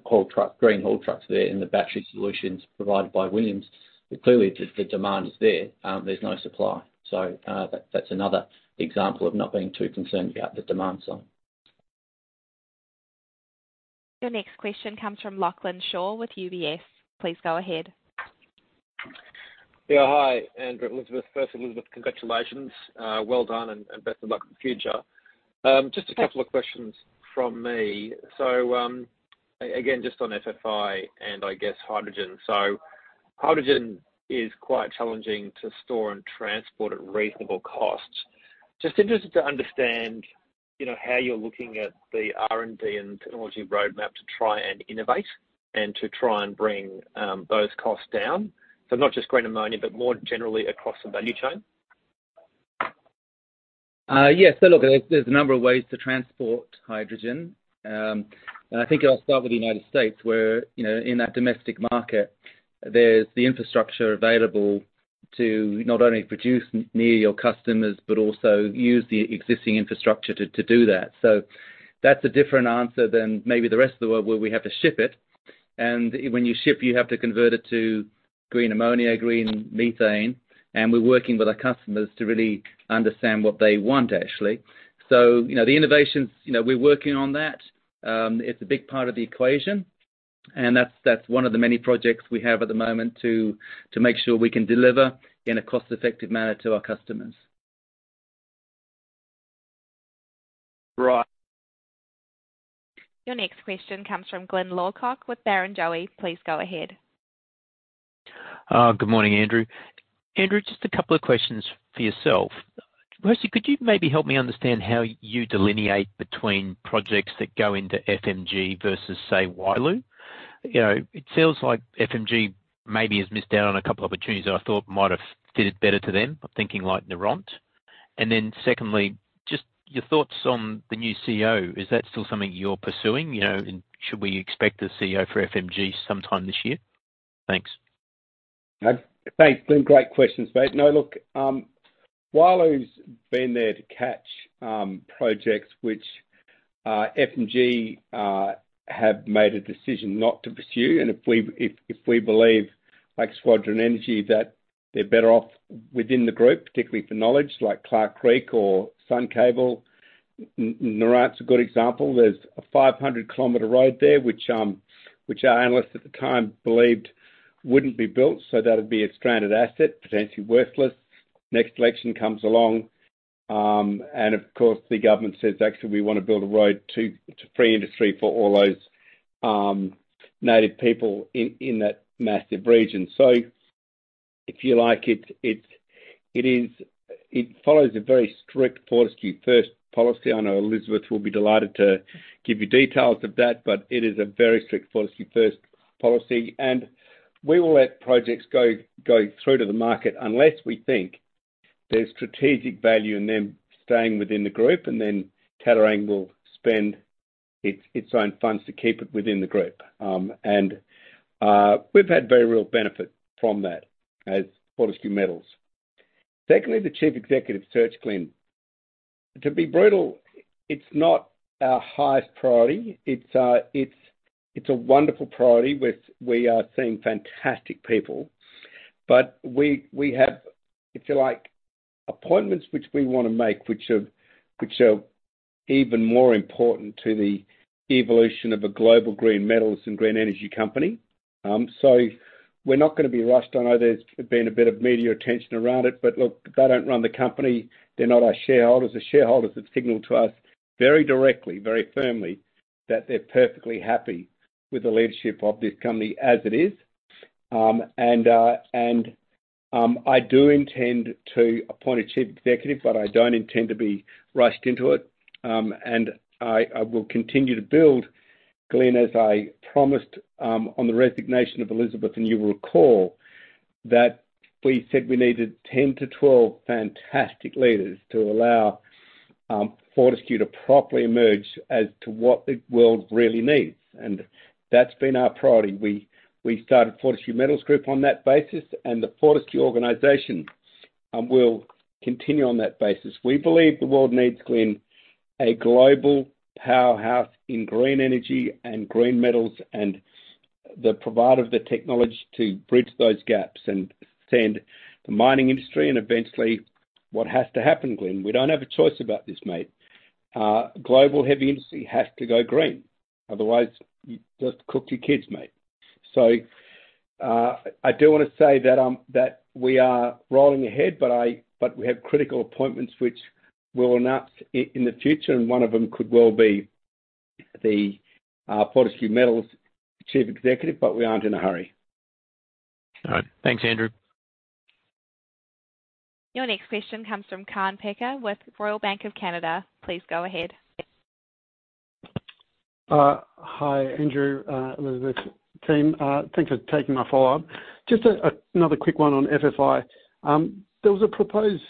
haul truck green haul trucks there and the battery solutions provided by Williams Advanced Engineering, clearly the demand is there's no supply. That's another example of not being too concerned about the demand side. Your next question comes from Lachlan Shaw with UBS. Please go ahead. Yeah. Hi, Andrew and Elizabeth. First, Elizabeth, congratulations, well done and best of luck in the future. Just a couple of questions from me. Again, just on FFI and I guess hydrogen. Hydrogen is quite challenging to store and transport at reasonable costs. Just interested to understand, you know, how you're looking at the R&D and technology roadmap to try and innovate and to try and bring those costs down. Not just green ammonia, but more generally across the value chain. Look, there's a number of ways to transport hydrogen. I think I'll start with the United States, where, you know, in that domestic market, there's the infrastructure available to not only produce near your customers, but also use the existing infrastructure to do that. That's a different answer than maybe the rest of the world where we have to ship it. When you ship, you have to convert it to green ammonia, green methane, and we're working with our customers to really understand what they want actually. You know, the innovations, you know, we're working on that. It's a big part of the equation, and that's one of the many projects we have at the moment to make sure we can deliver in a cost-effective manner to our customers. Right. Your next question comes from Glyn Lawcock with Barrenjoey. Please go ahead. Good morning, Andrew. Andrew, just a couple of questions for yourself. Firstly, could you maybe help me understand how you delineate between projects that go into FMG versus, say, Wyloo? You know, it sounds like FMG maybe has missed out on a couple opportunities that I thought might have fitted better to them. I'm thinking like Noront. Then secondly, just your thoughts on the new CEO. Is that still something you're pursuing? You know, and should we expect a CEO for FMG sometime this year? Thanks. Thanks, Glyn. Great questions. No, look, Wyloo's been there to catch projects which FMG have made a decision not to pursue. If we believe, like Squadron Energy, that they're better off within the group, particularly for knowledge like Clarke Creek or Sun Cable. Noront's a good example. There's a 500-km road there, which our analysts at the time believed wouldn't be built, so that would be a stranded asset, potentially worthless. Next election comes along, and of course, the government says, "Actually, we wanna build a road to free industry for all those native people in that massive region." If you like, it follows a very strict Fortescue first policy. I know Elizabeth will be delighted to give you details of that, but it is a very strict Fortescue first policy. We will let projects go through to the market unless we think there's strategic value in them staying within the group, and then Tattarang will spend its own funds to keep it within the group. We've had very real benefit from that as Fortescue Metals. Secondly, the chief executive search, Glyn. To be brutal, it's not our highest priority. It's a wonderful priority. We are seeing fantastic people. But we have, if you like, appointments which we wanna make, which are even more important to the evolution of a global green metals and green energy company. We're not gonna be rushed. I know there's been a bit of media attention around it, but look, they don't run the company. They're not our shareholders. The shareholders have signaled to us very directly, very firmly, that they're perfectly happy with the leadership of this company as it is. I do intend to appoint a chief executive, but I don't intend to be rushed into it. I will continue to build, Glyn, as I promised, on the resignation of Elizabeth, and you will recall that we said we needed 10-12 fantastic leaders to allow Fortescue to properly emerge as to what the world really needs. That's been our priority. We started Fortescue Metals Group on that basis and the Fortescue organization, and we'll continue on that basis. We believe the world needs, Glyn, a global powerhouse in green energy and green metals, and the provider of the technology to bridge those gaps and send the mining industry and eventually what has to happen, Glyn. We don't have a choice about this, mate. Global heavy industry has to go green, otherwise you just cook your kids, mate. I do wanna say that we are rolling ahead, but we have critical appointments which we will announce in the future, and one of them could well be the Fortescue Metals Chief Executive. We aren't in a hurry. All right. Thanks, Andrew. Your next question comes from Kaan Peker with Royal Bank of Canada. Please go ahead. Hi, Andrew, Elizabeth, team. Thanks for taking my follow-up. Just another quick one on FFI. Those are proposed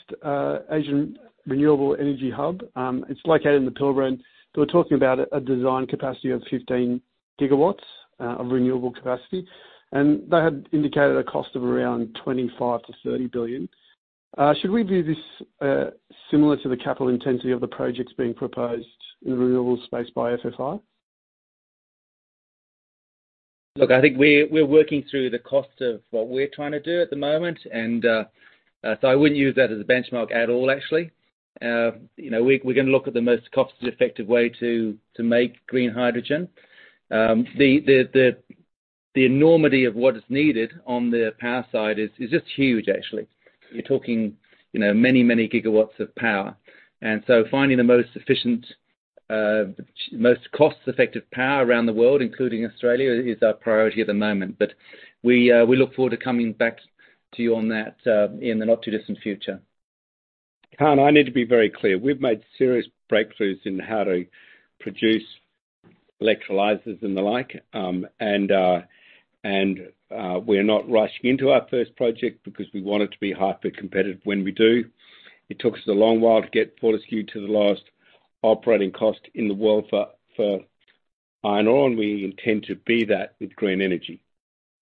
Asian Renewable Energy Hub. It's located in the Pilbara. They were talking about a design capacity of 15 GW of renewable capacity, and they had indicated a cost of around 25 billion-30 billion. Should we view this similar to the capital intensity of the projects being proposed in the renewable space by FFI? Look, I think we're working through the cost of what we're trying to do at the moment. I wouldn't use that as a benchmark at all, actually. You know, we're gonna look at the most cost-effective way to make green hydrogen. The enormity of what is needed on the power side is just huge, actually. You're talking, you know, many gigawatts of power. Finding the most cost-effective power around the world, including Australia, is our priority at the moment. We look forward to coming back to you on that in the not too distant future. Kaan, I need to be very clear. We've made serious breakthroughs in how to produce electrolyzers and the like, and we're not rushing into our first project because we want it to be hyper competitive when we do. It tooks a long while to get Fortescue to the lowest operating cost in the world for iron ore, and we intend to be that with green energy.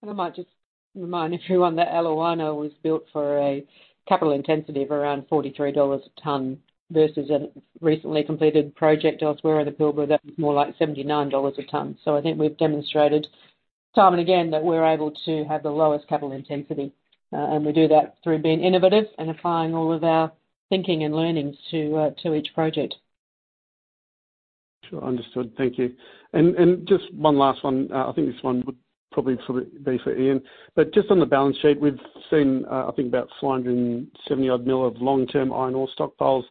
I might just remind everyone that Eliwana was built for a capital intensity of around 43 dollars a ton versus a recently completed project elsewhere in the Pilbara that was more like 79 dollars a ton. I think we've demonstrated time and again that we're able to have the lowest capital intensity, and we do that through being innovative and applying all of our thinking and learnings to each project. Sure. Understood. Thank you. Just one last one. I think this one would probably sort of be for Ian, but just on the balance sheet, we've seen, I think about 470 mil of long-term iron ore stockpiles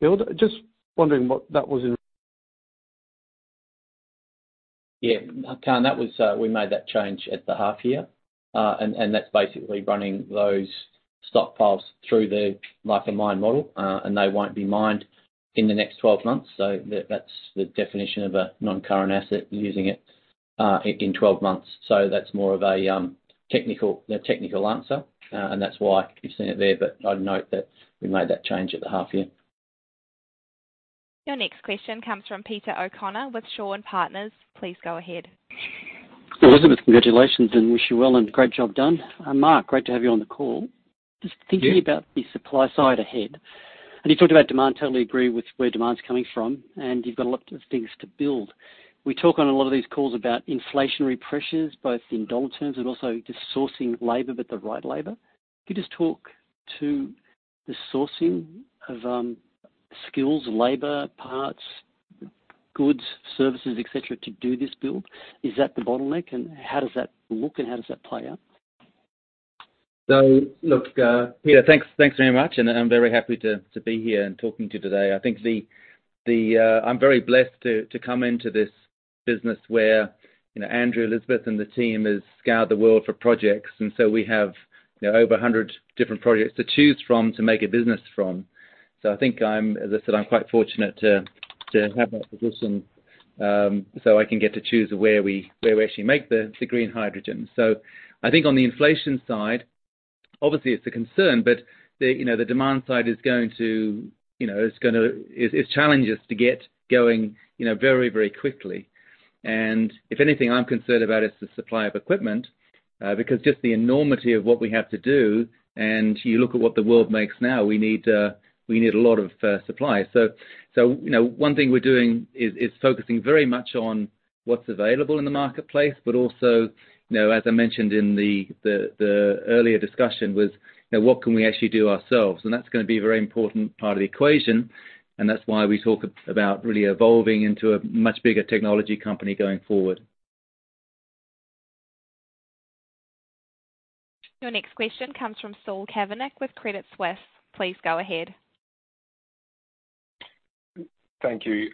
build. Just wondering what that was in. Yeah. Kaan, that was we made that change at the half year, and that's basically running those stockpiles through the life of mine model, and they won't be mined in the next 12 months. That's the definition of a non-current asset using it in 12 months. That's more of a technical answer, and that's why you've seen it there. I'd note that we made that change at half year. Your next question comes from Peter O'Connor with Shaw and Partners. Please go ahead. Elizabeth, congratulations and wish you well and great job done. Mark, great to have you on the call. Yeah. Just thinking about the supply side ahead, and you talked about demand. Totally agree with where demand's coming from and you've got a lot of things to build. We talk on a lot of these calls about inflationary pressures, both in dollar terms and also just sourcing labor, but the right labor. Could you just talk to the sourcing of skills, labor, parts, goods, services, et cetera, to do this build? Is that the bottleneck? How does that look and how does that play out? Look, Peter, thanks very much, and I'm very happy to be here and talking to you today. I think I'm very blessed to come into this business where, you know, Andrew, Elizabeth, and the team has scoured the world for projects. We have, you know, over 100 different projects to choose from to make a business from. I think, as I said, I'm quite fortunate to have that position, so I can get to choose where we actually make the green hydrogen. I think on the inflation side, obviously it's a concern, but, you know, the demand side, it's challenging us to get going, you know, very quickly. If anything, the thing I'm concerned about is the supply of equipment, because just the enormity of what we have to do, and you look at what the world makes now, we need a lot of supply. You know, one thing we're doing is focusing very much on what's available in the marketplace, but also, you know, as I mentioned in the earlier discussion was, what can we actually do ourselves? That's gonna be a very important part of the equation, and that's why we talk about really evolving into a much bigger technology company going forward. Your next question comes from Saul Kavonic with Credit Suisse. Please go ahead. Thank you.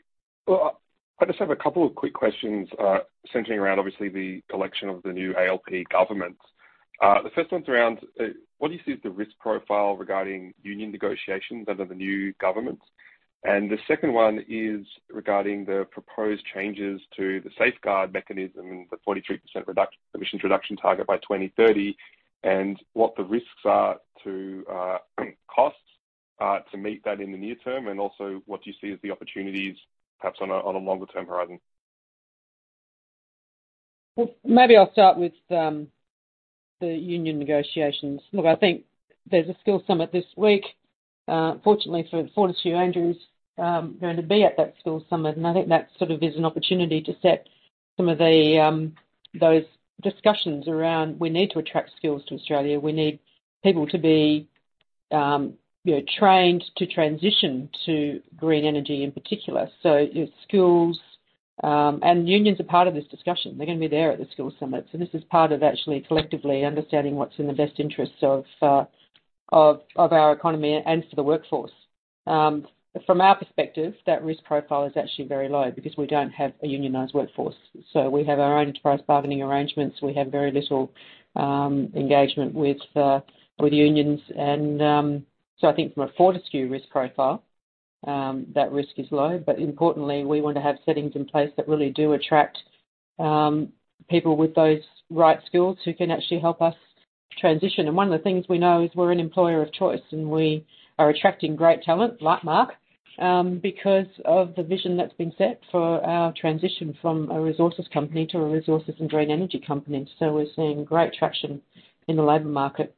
Well, I just have a couple of quick questions, centering around obviously the election of the new ALP government. The first one's around what do you see is the risk profile regarding union negotiations under the new government? The second one is regarding the proposed changes to the Safeguard Mechanism and the 43% emissions reduction target by 2030, and what the risks are to costs to meet that in the near term. What do you see as the opportunities perhaps on a longer-term horizon? Well, maybe I'll start with the union negotiations. Look, I think there's a skills summit this week. Fortunately for Fortescue, Andrew's going to be at that skills summit, and I think that sort of is an opportunity to set some of those discussions around, we need to attract skills to Australia. We need people to be, you know, trained to transition to green energy in particular. Yeah, skills and unions are part of this discussion. They're gonna be there at the skills summit. This is part of actually collectively understanding what's in the best interests of our economy and for the workforce. From our perspective, that risk profile is actually very low because we don't have a unionized workforce. We have our own enterprise bargaining arrangements. We have very little engagement with unions and so I think from a Fortescue risk profile that risk is low. Importantly, we want to have settings in place that really do attract people with those right skills who can actually help us transition. One of the things we know is we're an employer of choice, and we are attracting great talent like Mark because of the vision that's been set for our transition from a resources company to a resources and green energy company. We're seeing great traction in the labor market.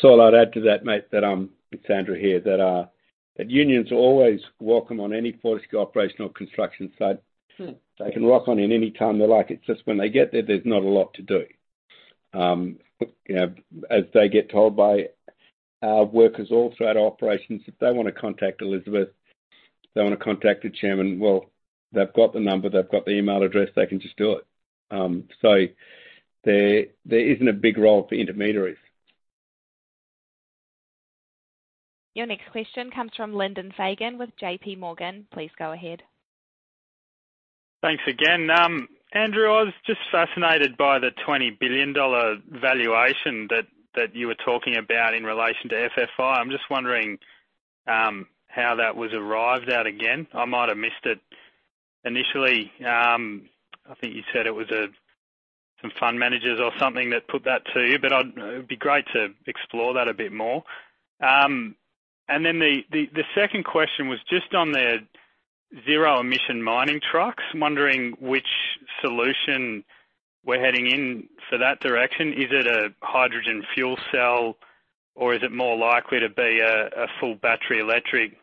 Saul, I'd add to that, mate, that it's Andrew here, that unions are always welcome on any Fortescue operational construction site. Mm. They can rock on in any time they like. It's just when they get there's not a lot to do. You know, as they get told by our workers all throughout our operations, if they wanna contact Elizabeth, if they wanna contact the chairman, well, they've got the number, they've got the email address, they can just do it. There isn't a big role for intermediaries. Your next question comes from Lyndon Fagan with JPMorgan. Please go ahead. Thanks again. Andrew, I was just fascinated by the 20 billion dollar valuation that you were talking about in relation to FFI. I'm just wondering how that was arrived at again. I might have missed it initially. I think you said it was some fund managers or something that put that to you, but it'd be great to explore that a bit more. The second question was just on the zero-emission mining trucks. I'm wondering which solution we're heading in for that direction. Is it a hydrogen fuel cell, or is it more likely to be a full battery electric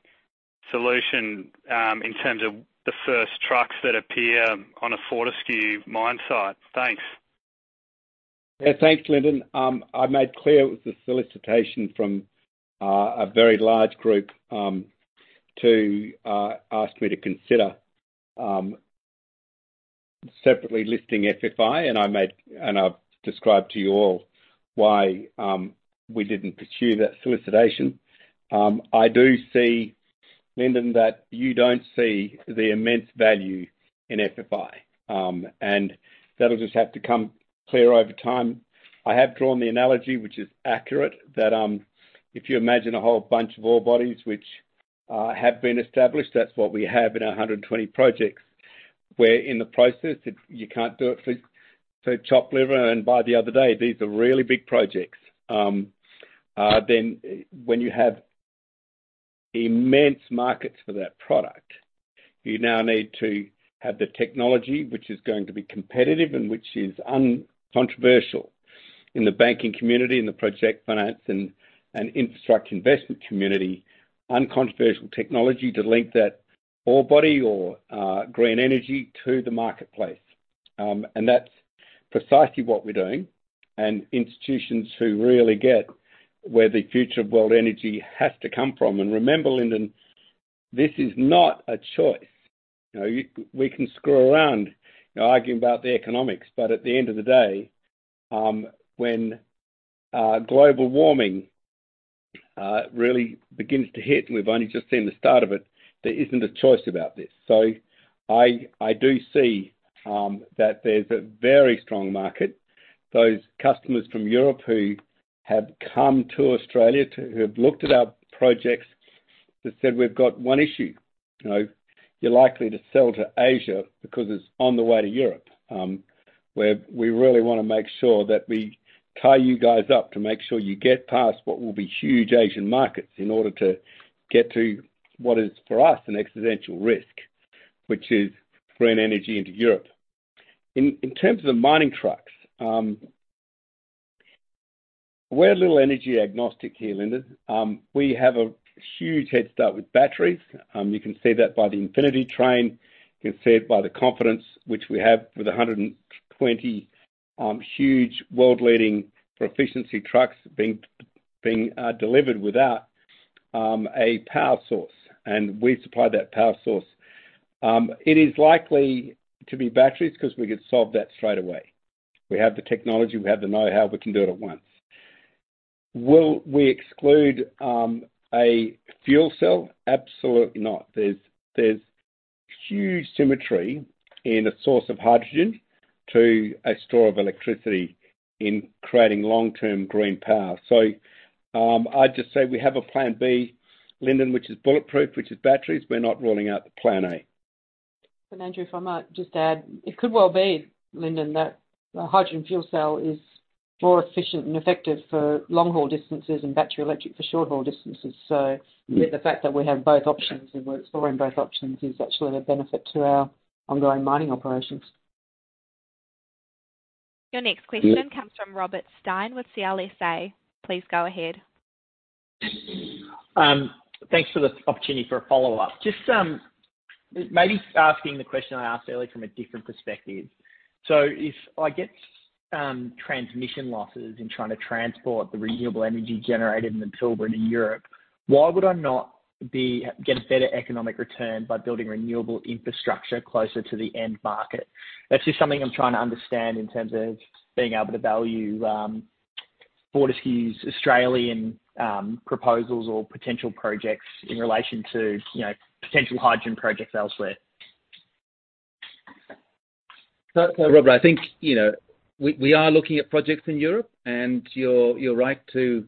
solution in terms of the first trucks that appear on a Fortescue mine site? Thanks. Yeah, thanks, Lyndon. I made clear it was a solicitation from a very large group to ask me to consider separately listing FFI, and I've described to you all why we didn't pursue that solicitation. I do see, Lyndon, that you don't see the immense value in FFI, and that'll just have to come clear over time. I have drawn the analogy, which is accurate, that if you imagine a whole bunch of ore bodies which have been established, that's what we have in our 120 projects, where in the process, you can't do it for chopped liver and by the other day. These are really big projects. When you have immense markets for that product, you now need to have the technology which is going to be competitive and which is uncontroversial in the banking community, in the project finance and infrastructure investment community, uncontroversial technology to link that ore body or green energy to the marketplace. That's precisely what we're doing, and institutions who really get where the future of world energy has to come from. Remember, Lyndon, this is not a choice. You know, we can screw around, you know, arguing about the economics, but at the end of the day, when global warming really begins to hit, and we've only just seen the start of it, there isn't a choice about this. I do see that there's a very strong market. Those customers from Europe who have come to Australia to who have looked at our projects that said, "We've got one issue. You know, you're likely to sell to Asia because it's on the way to Europe, where we really wanna make sure that we tie you guys up to make sure you get past what will be huge Asian markets in order to get to what is, for us, an existential risk, which is green energy into Europe." In terms of the mining trucks, we're a little energy agnostic here, Lyndon. We have a huge head start with batteries. You can see that by the Infinity Train. You can see it by the confidence which we have with 120 huge world-leading autonomous trucks being delivered without a power source. We supply that power source. It is likely to be batteries because we could solve that straight away. We have the technology. We have the know-how. We can do it at once. Will we exclude a fuel cell? Absolutely not. There's huge symmetry in a source of hydrogen to a store of electricity in creating long-term green power. I'd just say we have a plan B, Lyndon, which is bulletproof, which is batteries. We're not ruling out the plan A. Andrew, if I might just add, it could well be, Lyndon, that a hydrogen fuel cell is more efficient and effective for long-haul distances and battery electric for short-haul distances. Mm-hmm. The fact that we have both options and we're exploring both options is actually a benefit to our ongoing mining operations. Your next question comes from Robert Stein with CLSA. Please go ahead. Thanks for the opportunity for a follow-up. Just maybe asking the question I asked earlier from a different perspective. If I get transmission losses in trying to transport the renewable energy generated in the Pilbara to Europe, why would I not get a better economic return by building renewable infrastructure closer to the end market? That's just something I'm trying to understand in terms of being able to value Fortescue's Australian proposals or potential projects in relation to, you know, potential hydrogen projects elsewhere. Robert, I think, you know, we are looking at projects in Europe and you're right to,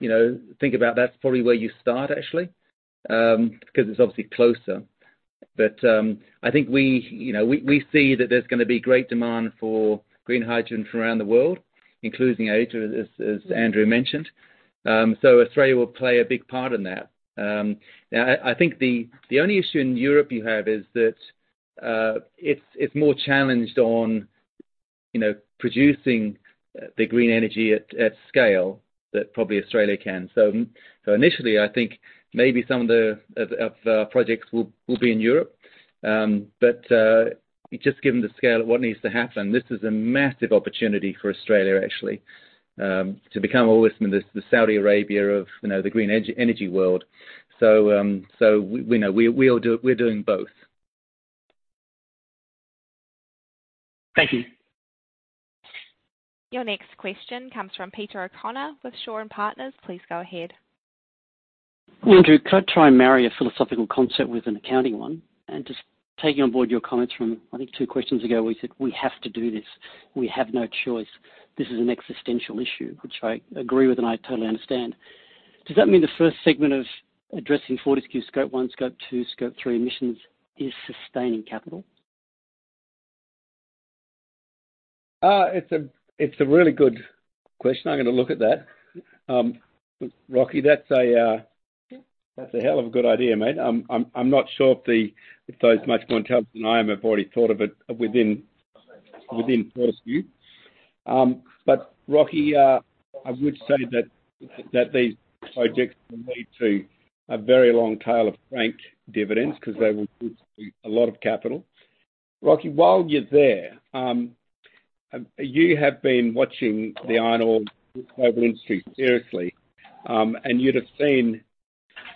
you know, think about that it's probably where you start actually, because it's obviously closer. I think, you know, we see that there's gonna be great demand for green hydrogen from around the world, including Asia, as Andrew mentioned. Australia will play a big part in that. Now I think the only issue in Europe you have is that it's more challenged on, you know, producing the green energy at scale that probably Australia can. Initially I think maybe some of the projects will be in Europe. Just given the scale of what needs to happen, this is a massive opportunity for Australia actually to become almost the Saudi Arabia of, you know, the green energy world. We know we're doing both. Thank you. Your next question comes from Peter O'Connor with Shaw and Partners. Please go ahead. Andrew, could I try and marry a philosophical concept with an accounting one? Just taking on board your comments from I think two questions ago where you said, "We have to do this. We have no choice. This is an existential issue," which I agree with and I totally understand. Does that mean the first segment of addressing Fortescue Scope 1, Scope 2, Scope 3 emissions is sustaining capital? It's a really good question. I'm gonna look at that. Rocky, that's a hell of a good idea, mate. I'm not sure if those much more intelligent than I am have already thought of it within Fortescue. Rocky, I would say that these projects will lead to a very long tail of franked dividends because they will put a lot of capital. Rocky, while you're there, you have been watching the iron ore global industry seriously, and you'd have seen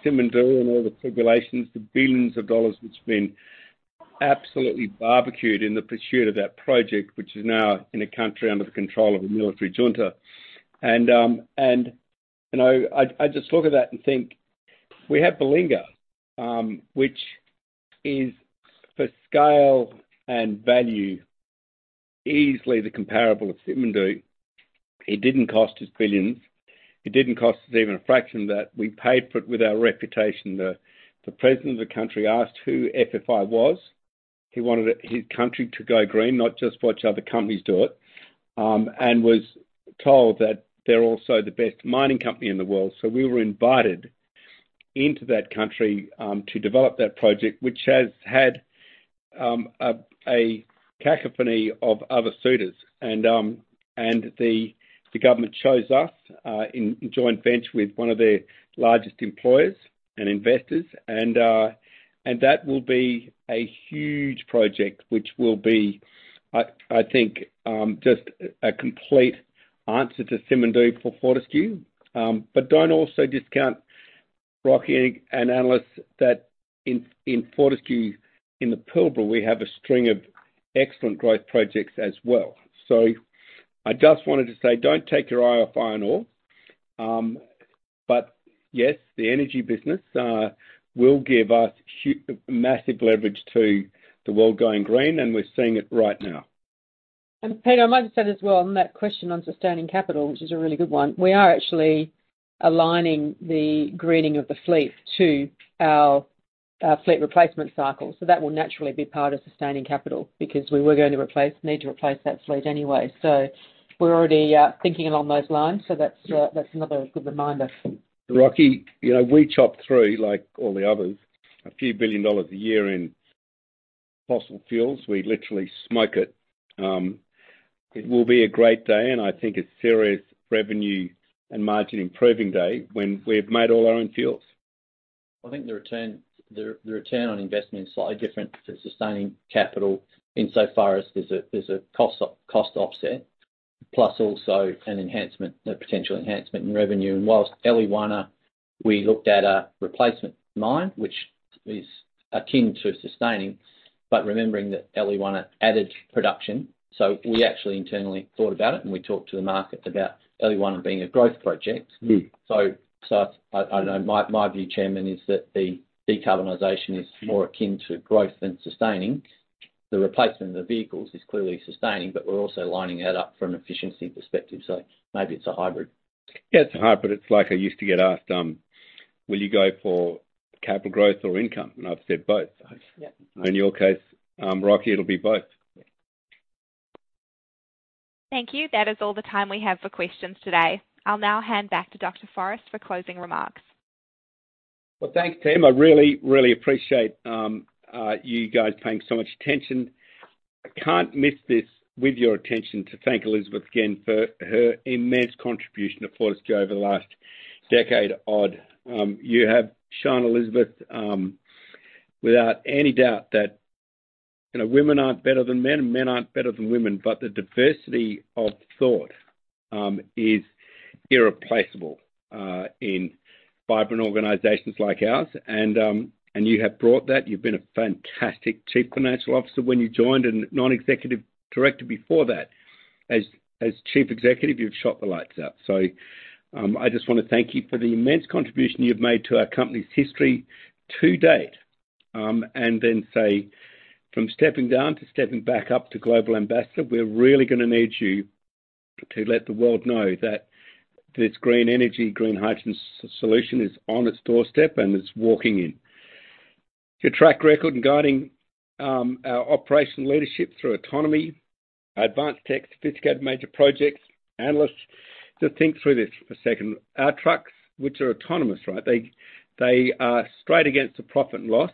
Simandou and all the tribulations, the billions of dollars which have been absolutely barbecued in the pursuit of that project, which is now in a country under the control of a military junta. You know, I just look at that and think we have Belinga, which is for scale and value easily the comparable of Simandou. It didn't cost us billions. It didn't cost us even a fraction that. We paid for it with our reputation. The president of the country asked who FFI was. He wanted his country to go green, not just watch other companies do it, and was told that they're also the best mining company in the world. We were invited into that country to develop that project, which has had a cacophony of other suitors. The government chose us in joint venture with one of their largest employers and investors. That will be a huge project, which will be, I think, just a complete answer to Simandou for Fortescue. But don't also discount, Rocky and analysts, that in Fortescue in the Pilbara, we have a string of excellent growth projects as well. I just wanted to say don't take your eye off iron ore. Yes, the energy business will give us massive leverage to the world going green, and we're seeing it right now. Peter, I might just add as well on that question on sustaining capital, which is a really good one. We are actually aligning the greening of the fleet to our fleet replacement cycle. That will naturally be part of sustaining capital because we were going to need to replace that fleet anyway. We're already thinking along those lines. That's another good reminder. Rocky, you know, we chop through, like all the others, a few billion dollars a year in fossil fuels. We literally smoke it. It will be a great day, and I think a serious revenue and margin-improving day when we've made all our own fuels. I think the return on investment is slightly different to sustaining capital insofar as there's a cost offset, plus also an enhancement, a potential enhancement in revenue. While Eliwana, we looked at a replacement mine, which is akin to sustaining, but remembering that Eliwana added production. We actually internally thought about it, and we talked to the market about Eliwana being a growth project. Mm-hmm. I know my view, Chairman, is that the decarbonization is. Mm-hmm More akin to growth than sustaining. The replacement of the vehicles is clearly sustaining, but we're also lining that up from an efficiency perspective. Maybe it's a hybrid. Yeah, it's a hybrid. It's like I used to get asked, will you go for capital growth or income? I've said both. Yeah. In your case, Rocky, it'll be both. Yeah. Thank you. That is all the time we have for questions today. I'll now hand back to Andrew Forrest for closing remarks. Well, thanks, team. I really appreciate you guys paying so much attention. I can't miss this with your attention to thank Elizabeth again for her immense contribution to Fortescue over the last decade odd. You have shown Elizabeth without any doubt that, you know, women aren't better than men and men aren't better than women, but the diversity of thought is irreplaceable in vibrant organizations like ours. You have brought that. You've been a fantastic Chief Financial Officer when you joined and Non-Executive Director before that. As Chief Executive, you've shot the lights out. I just wanna thank you for the immense contribution you've made to our company's history to date, and then say from stepping down to stepping back up to global ambassador, we're really gonna need you to let the world know that this green energy, green hydrogen solution is on its doorstep and it's walking in. Your track record in guiding our operation leadership through autonomy, advanced tech, sophisticated major projects, analysts. Just think through this for a second. Our trucks, which are autonomous, right? They are straight against the profit and loss.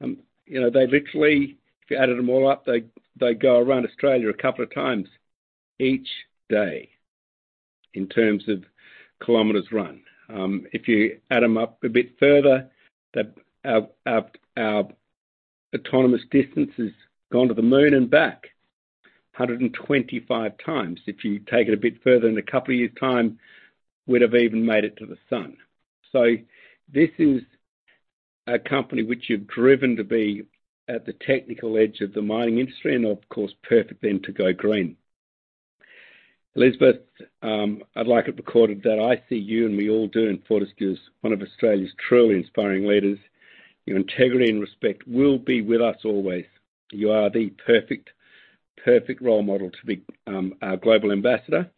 You know, they literally, if you added them all up, they go around Australia a couple of times each day in terms of kilometers run. If you add them up a bit further, our autonomous distance has gone to the moon and back 125x. If you take it a bit further in a couple of year time, we'd have even made it to the sun. This is a company which you've driven to be at the technical edge of the mining industry and of course, perfect then to go green. Elizabeth, I'd like it recorded that I see you, and we all do in Fortescue, as one of Australia's truly inspiring leaders. Your integrity and respect will be with us always. You are the perfect role model to be our global ambassador,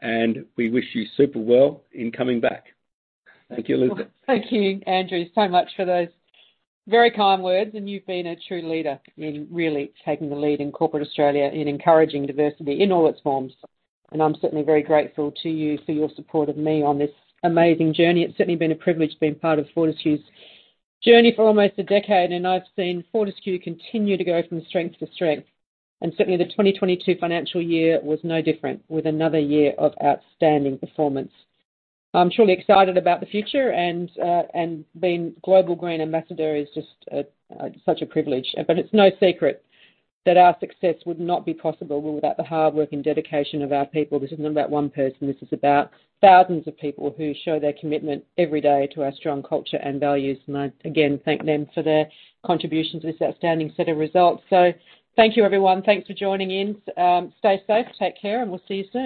and we wish you super well in coming back. Thank you, Elizabeth. Thank you, Andrew, so much for those very kind words. You've been a true leader in really taking the lead in corporate Australia in encouraging diversity in all its forms. I'm certainly very grateful to you for your support of me on this amazing journey. It's certainly been a privilege being part of Fortescue's journey for almost a decade, and I've seen Fortescue continue to go from strength to strength. Certainly the 2022 financial year was no different, with another year of outstanding performance. I'm truly excited about the future and being Global Green Ambassador is just such a privilege. It's no secret that our success would not be possible without the hard work and dedication of our people. This isn't about one person. This is about thousands of people who show their commitment every day to our strong culture and values. I again thank them for their contributions to this outstanding set of results. Thank you, everyone. Thanks for joining in. Stay safe, take care, and we'll see you soon.